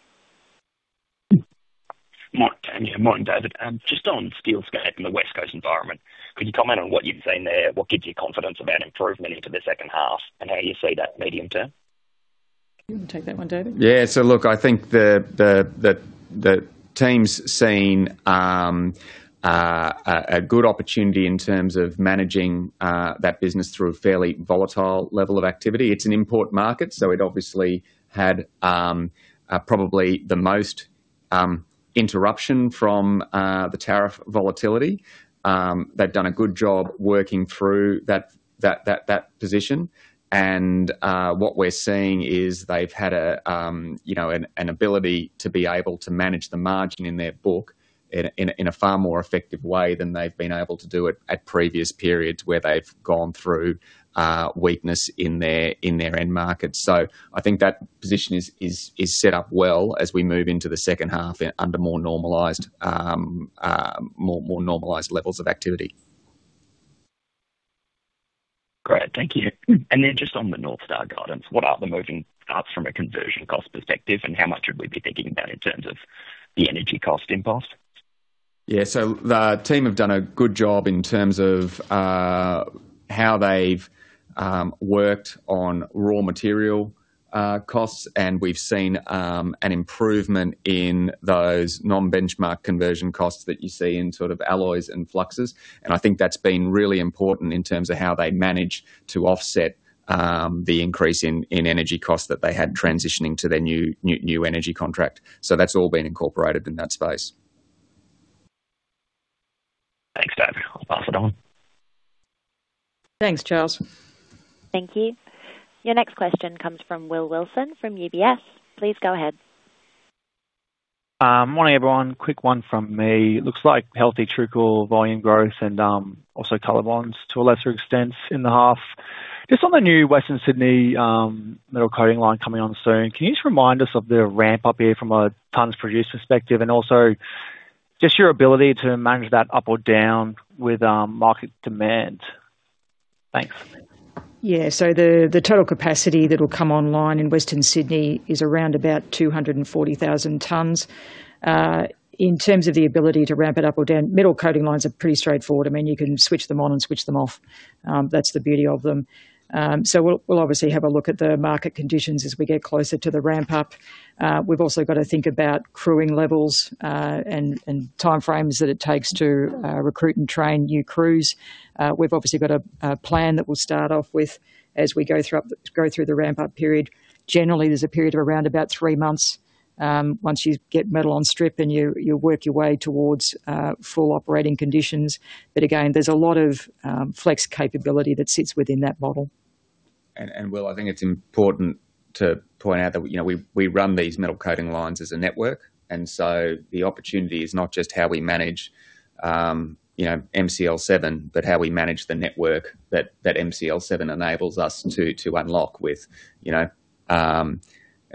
Morning, Tania. Morning, David. Just on Steelscape and the West Coast environment, could you comment on what you've seen there? What gives you confidence about improvement into the second half, and how you see that medium term? You wanna take that one, David? Yeah. So look, I think the team's seen a good opportunity in terms of managing that business through a fairly volatile level of activity. It's an import market, so it obviously had probably the most interruption from the tariff volatility. They've done a good job working through that position, and what we're seeing is they've had a, you know, an ability to be able to manage the margin in their book in a far more effective way than they've been able to do it at previous periods, where they've gone through weakness in their end market. I think that position is set up well as we move into the second half and under more normalized levels of activity. Great. Thank you. And then just on the North Star guidance, what are the moving parts from a conversion cost perspective, and how much should we be thinking about in terms of the energy cost impact? Yeah, so the team have done a good job in terms of how they've worked on raw material costs, and we've seen an improvement in those non-benchmark conversion costs that you see in sort of alloys and fluxes. I think that's been really important in terms of how they manage to offset the increase in energy costs that they had transitioning to their new, new, new energy contract. That's all been incorporated in that space. Thanks, David. I'll pass it on. Thanks, Charles. Thank you. Your next question comes from Will Wilson, from UBS. Please go ahead. Morning, everyone. Quick one from me. It looks like healthy TRUECOLOR volume growth and, also COLORBOND to a lesser extent in the half. Just on the new Western Sydney, Metal Coating Line coming on soon, can you just remind us of the ramp-up here from a tons produced perspective, and also just your ability to manage that up or down with, market demand? Thanks. Yeah, so the total capacity that will come online in Western Sydney is around about 240,000 tons. In terms of the ability to ramp it up or down, Metal Coating Lines are pretty straightforward. I mean, you can switch them on and switch them off. That's the beauty of them. So we'll obviously have a look at the market conditions as we get closer to the ramp-up. We've also got to think about crewing levels and timeframes that it takes to recruit and train new crews. We've obviously got a plan that we'll start off with as we go through the ramp-up period. Generally, there's a period of around about three months once you get metal on strip and you work your way towards full operating conditions. But again, there's a lot of flex capability that sits within that model. Will, I think it's important to point out that, you know, we run these Metal Coating Lines as a network, and so the opportunity is not just how we manage, you know, MCL7, but how we manage the network that MCL7 enables us to unlock with, you know,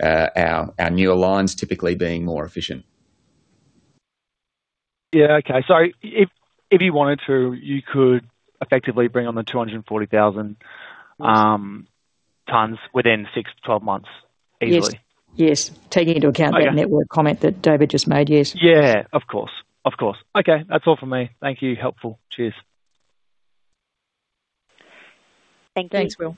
our newer lines typically being more efficient. Yeah. Okay. So if, if you wanted to, you could effectively bring on the 240,000 tons within six to 12 months, easily? Yes. Yes. Taking into account- Okay. That network comment that David just made, yes. Yeah, of course. Of course. Okay, that's all from me. Thank you. Helpful. Cheers. Thank you. Thanks, Will.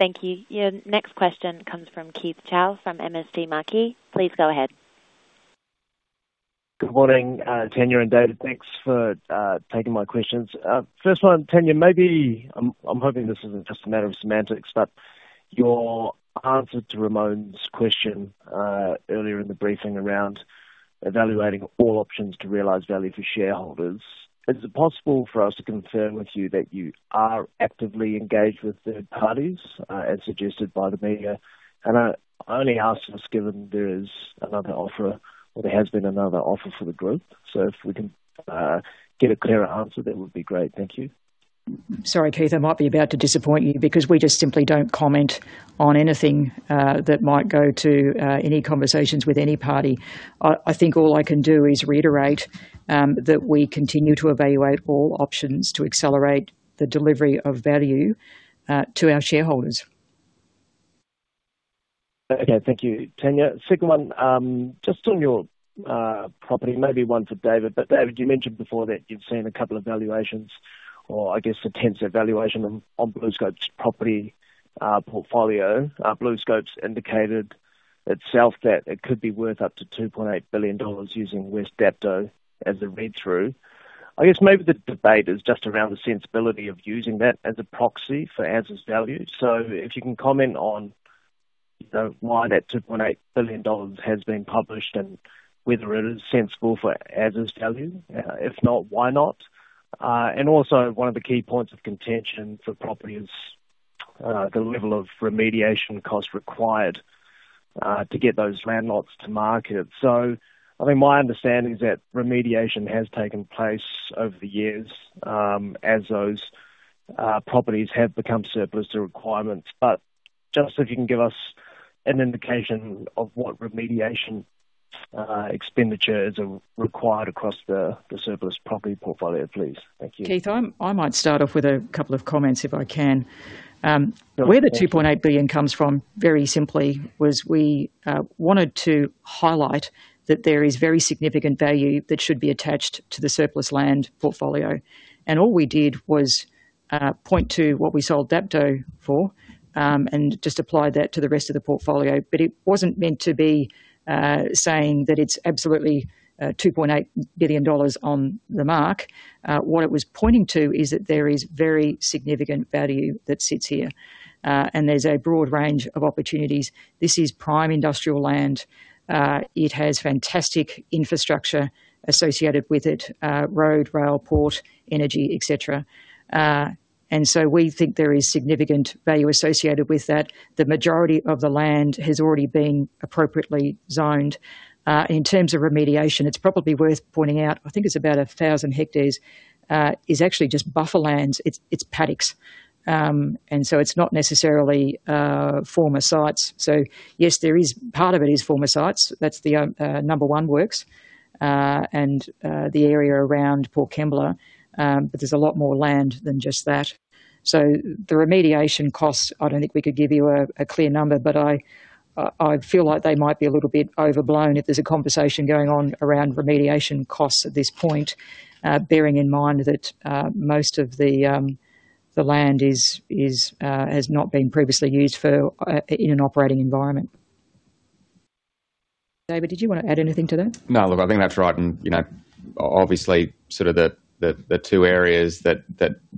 Thank you. Your next question comes from Keith Chau from MST Marquee. Please go ahead. Good morning, Tania and David. Thanks for taking my questions. First one, Tania, maybe... I'm, I'm hoping this isn't just a matter of semantics, but your answer to Ramoun's question earlier in the briefing around evaluating all options to realize value for shareholders, is it possible for us to confirm with you that you are actively engaged with third parties as suggested by the media? And I only ask this given there is another offer, or there has been another offer for the group. So if we can get a clearer answer, that would be great. Thank you. Sorry, Keith, I might be about to disappoint you because we just simply don't comment on anything that might go to any conversations with any party. I think all I can do is reiterate that we continue to evaluate all options to accelerate the delivery of value to our shareholders. Okay, thank you, Tania. Second one, just on your property, maybe one for David, but David, you mentioned before that you've seen a couple of valuations or I guess, intense valuation on BlueScope's property portfolio. BlueScope's indicated itself that it could be worth up to 2.8 billion dollars using West Dapto as a read-through. I guess maybe the debate is just around the sensibility of using that as a proxy for as-is value. So if you can comment on, you know, why that 2.8 billion dollars has been published and whether it is sensible for as-is value? If not, why not? And also, one of the key points of contention for property is the level of remediation cost required to get those land lots to market. So I think my understanding is that remediation has taken place over the years, as those properties have become surplus to requirements. But just if you can give us an indication of what remediation expenditures are required across the surplus property portfolio, please. Thank you. Keith, I might start off with a couple of comments, if I can. Where the 2.8 billion comes from, very simply, was we wanted to highlight that there is very significant value that should be attached to the surplus land portfolio. And all we did was point to what we sold Dapto for and just applied that to the rest of the portfolio. But it wasn't meant to be saying that it's absolutely 2.8 billion dollars on the mark. What it was pointing to is that there is very significant value that sits here and there's a broad range of opportunities. This is prime industrial land. It has fantastic infrastructure associated with it, road, rail, port, energy, et cetera. And so we think there is significant value associated with that. The majority of the land has already been appropriately zoned. In terms of remediation, it's probably worth pointing out, I think it's about 1,000 ha is actually just buffer lands, it's paddocks. And so it's not necessarily former sites. So yes, there is, part of it is former sites. That's the number one works and the area around Port Kembla, but there's a lot more land than just that. So the remediation costs, I don't think we could give you a clear number, but I feel like they might be a little bit overblown if there's a conversation going on around remediation costs at this point, bearing in mind that most of the land is has not been previously used for in an operating environment. David, did you want to add anything to that? No, look, I think that's right, and, you know, obviously, sort of the two areas that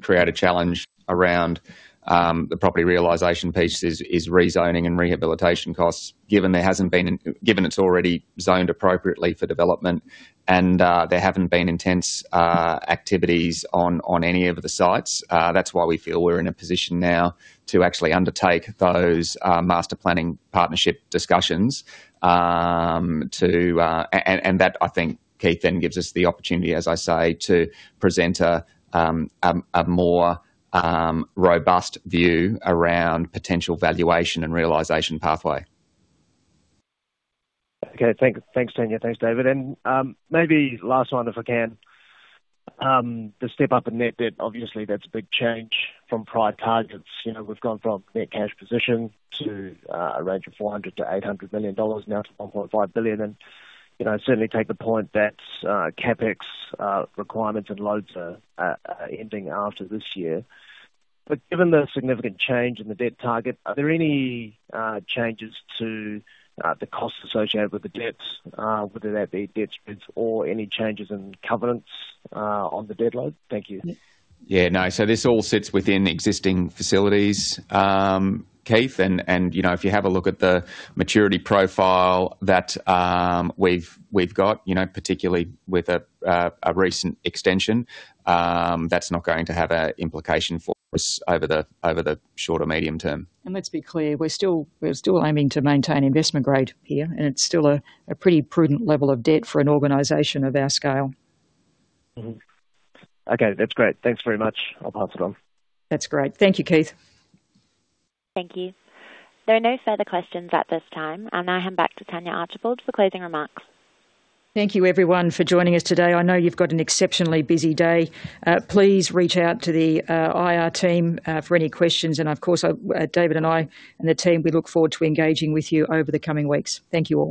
create a challenge around the property realization piece is rezoning and rehabilitation costs. Given it's already zoned appropriately for development and there haven't been intense activities on any of the sites, that's why we feel we're in a position now to actually undertake those master planning partnership discussions to... And that, I think, Keith, then gives us the opportunity, as I say, to present a more robust view around potential valuation and realization pathway. Okay. Thanks, Tania. Thanks, David. And maybe last one, if I can. The step up in net debt, obviously, that's a big change from prior targets. You know, we've gone from net cash position to a range of 400 million-800 million dollars, now to 1.5 billion, and, you know, I certainly take the point that CapEx requirements and loads are ending after this year. But given the significant change in the debt target, are there any changes to the costs associated with the debts, whether that be debt splits or any changes in covenants on the debt load? Thank you. Yeah, no. So this all sits within existing facilities, Keith, and you know, if you have a look at the maturity profile that we've got, you know, particularly with a recent extension, that's not going to have an implication for us over the short or medium term. Let's be clear, we're still, we're still aiming to maintain investment grade here, and it's still a, a pretty prudent level of debt for an organization of our scale. Mm-hmm. Okay, that's great. Thanks very much. I'll pass it on. That's great. Thank you, Keith. Thank you. There are no further questions at this time. I'll now hand back to Tania Archibald for closing remarks. Thank you, everyone, for joining us today. I know you've got an exceptionally busy day. Please reach out to the IR team for any questions, and of course, I, David and I and the team, we look forward to engaging with you over the coming weeks. Thank you all.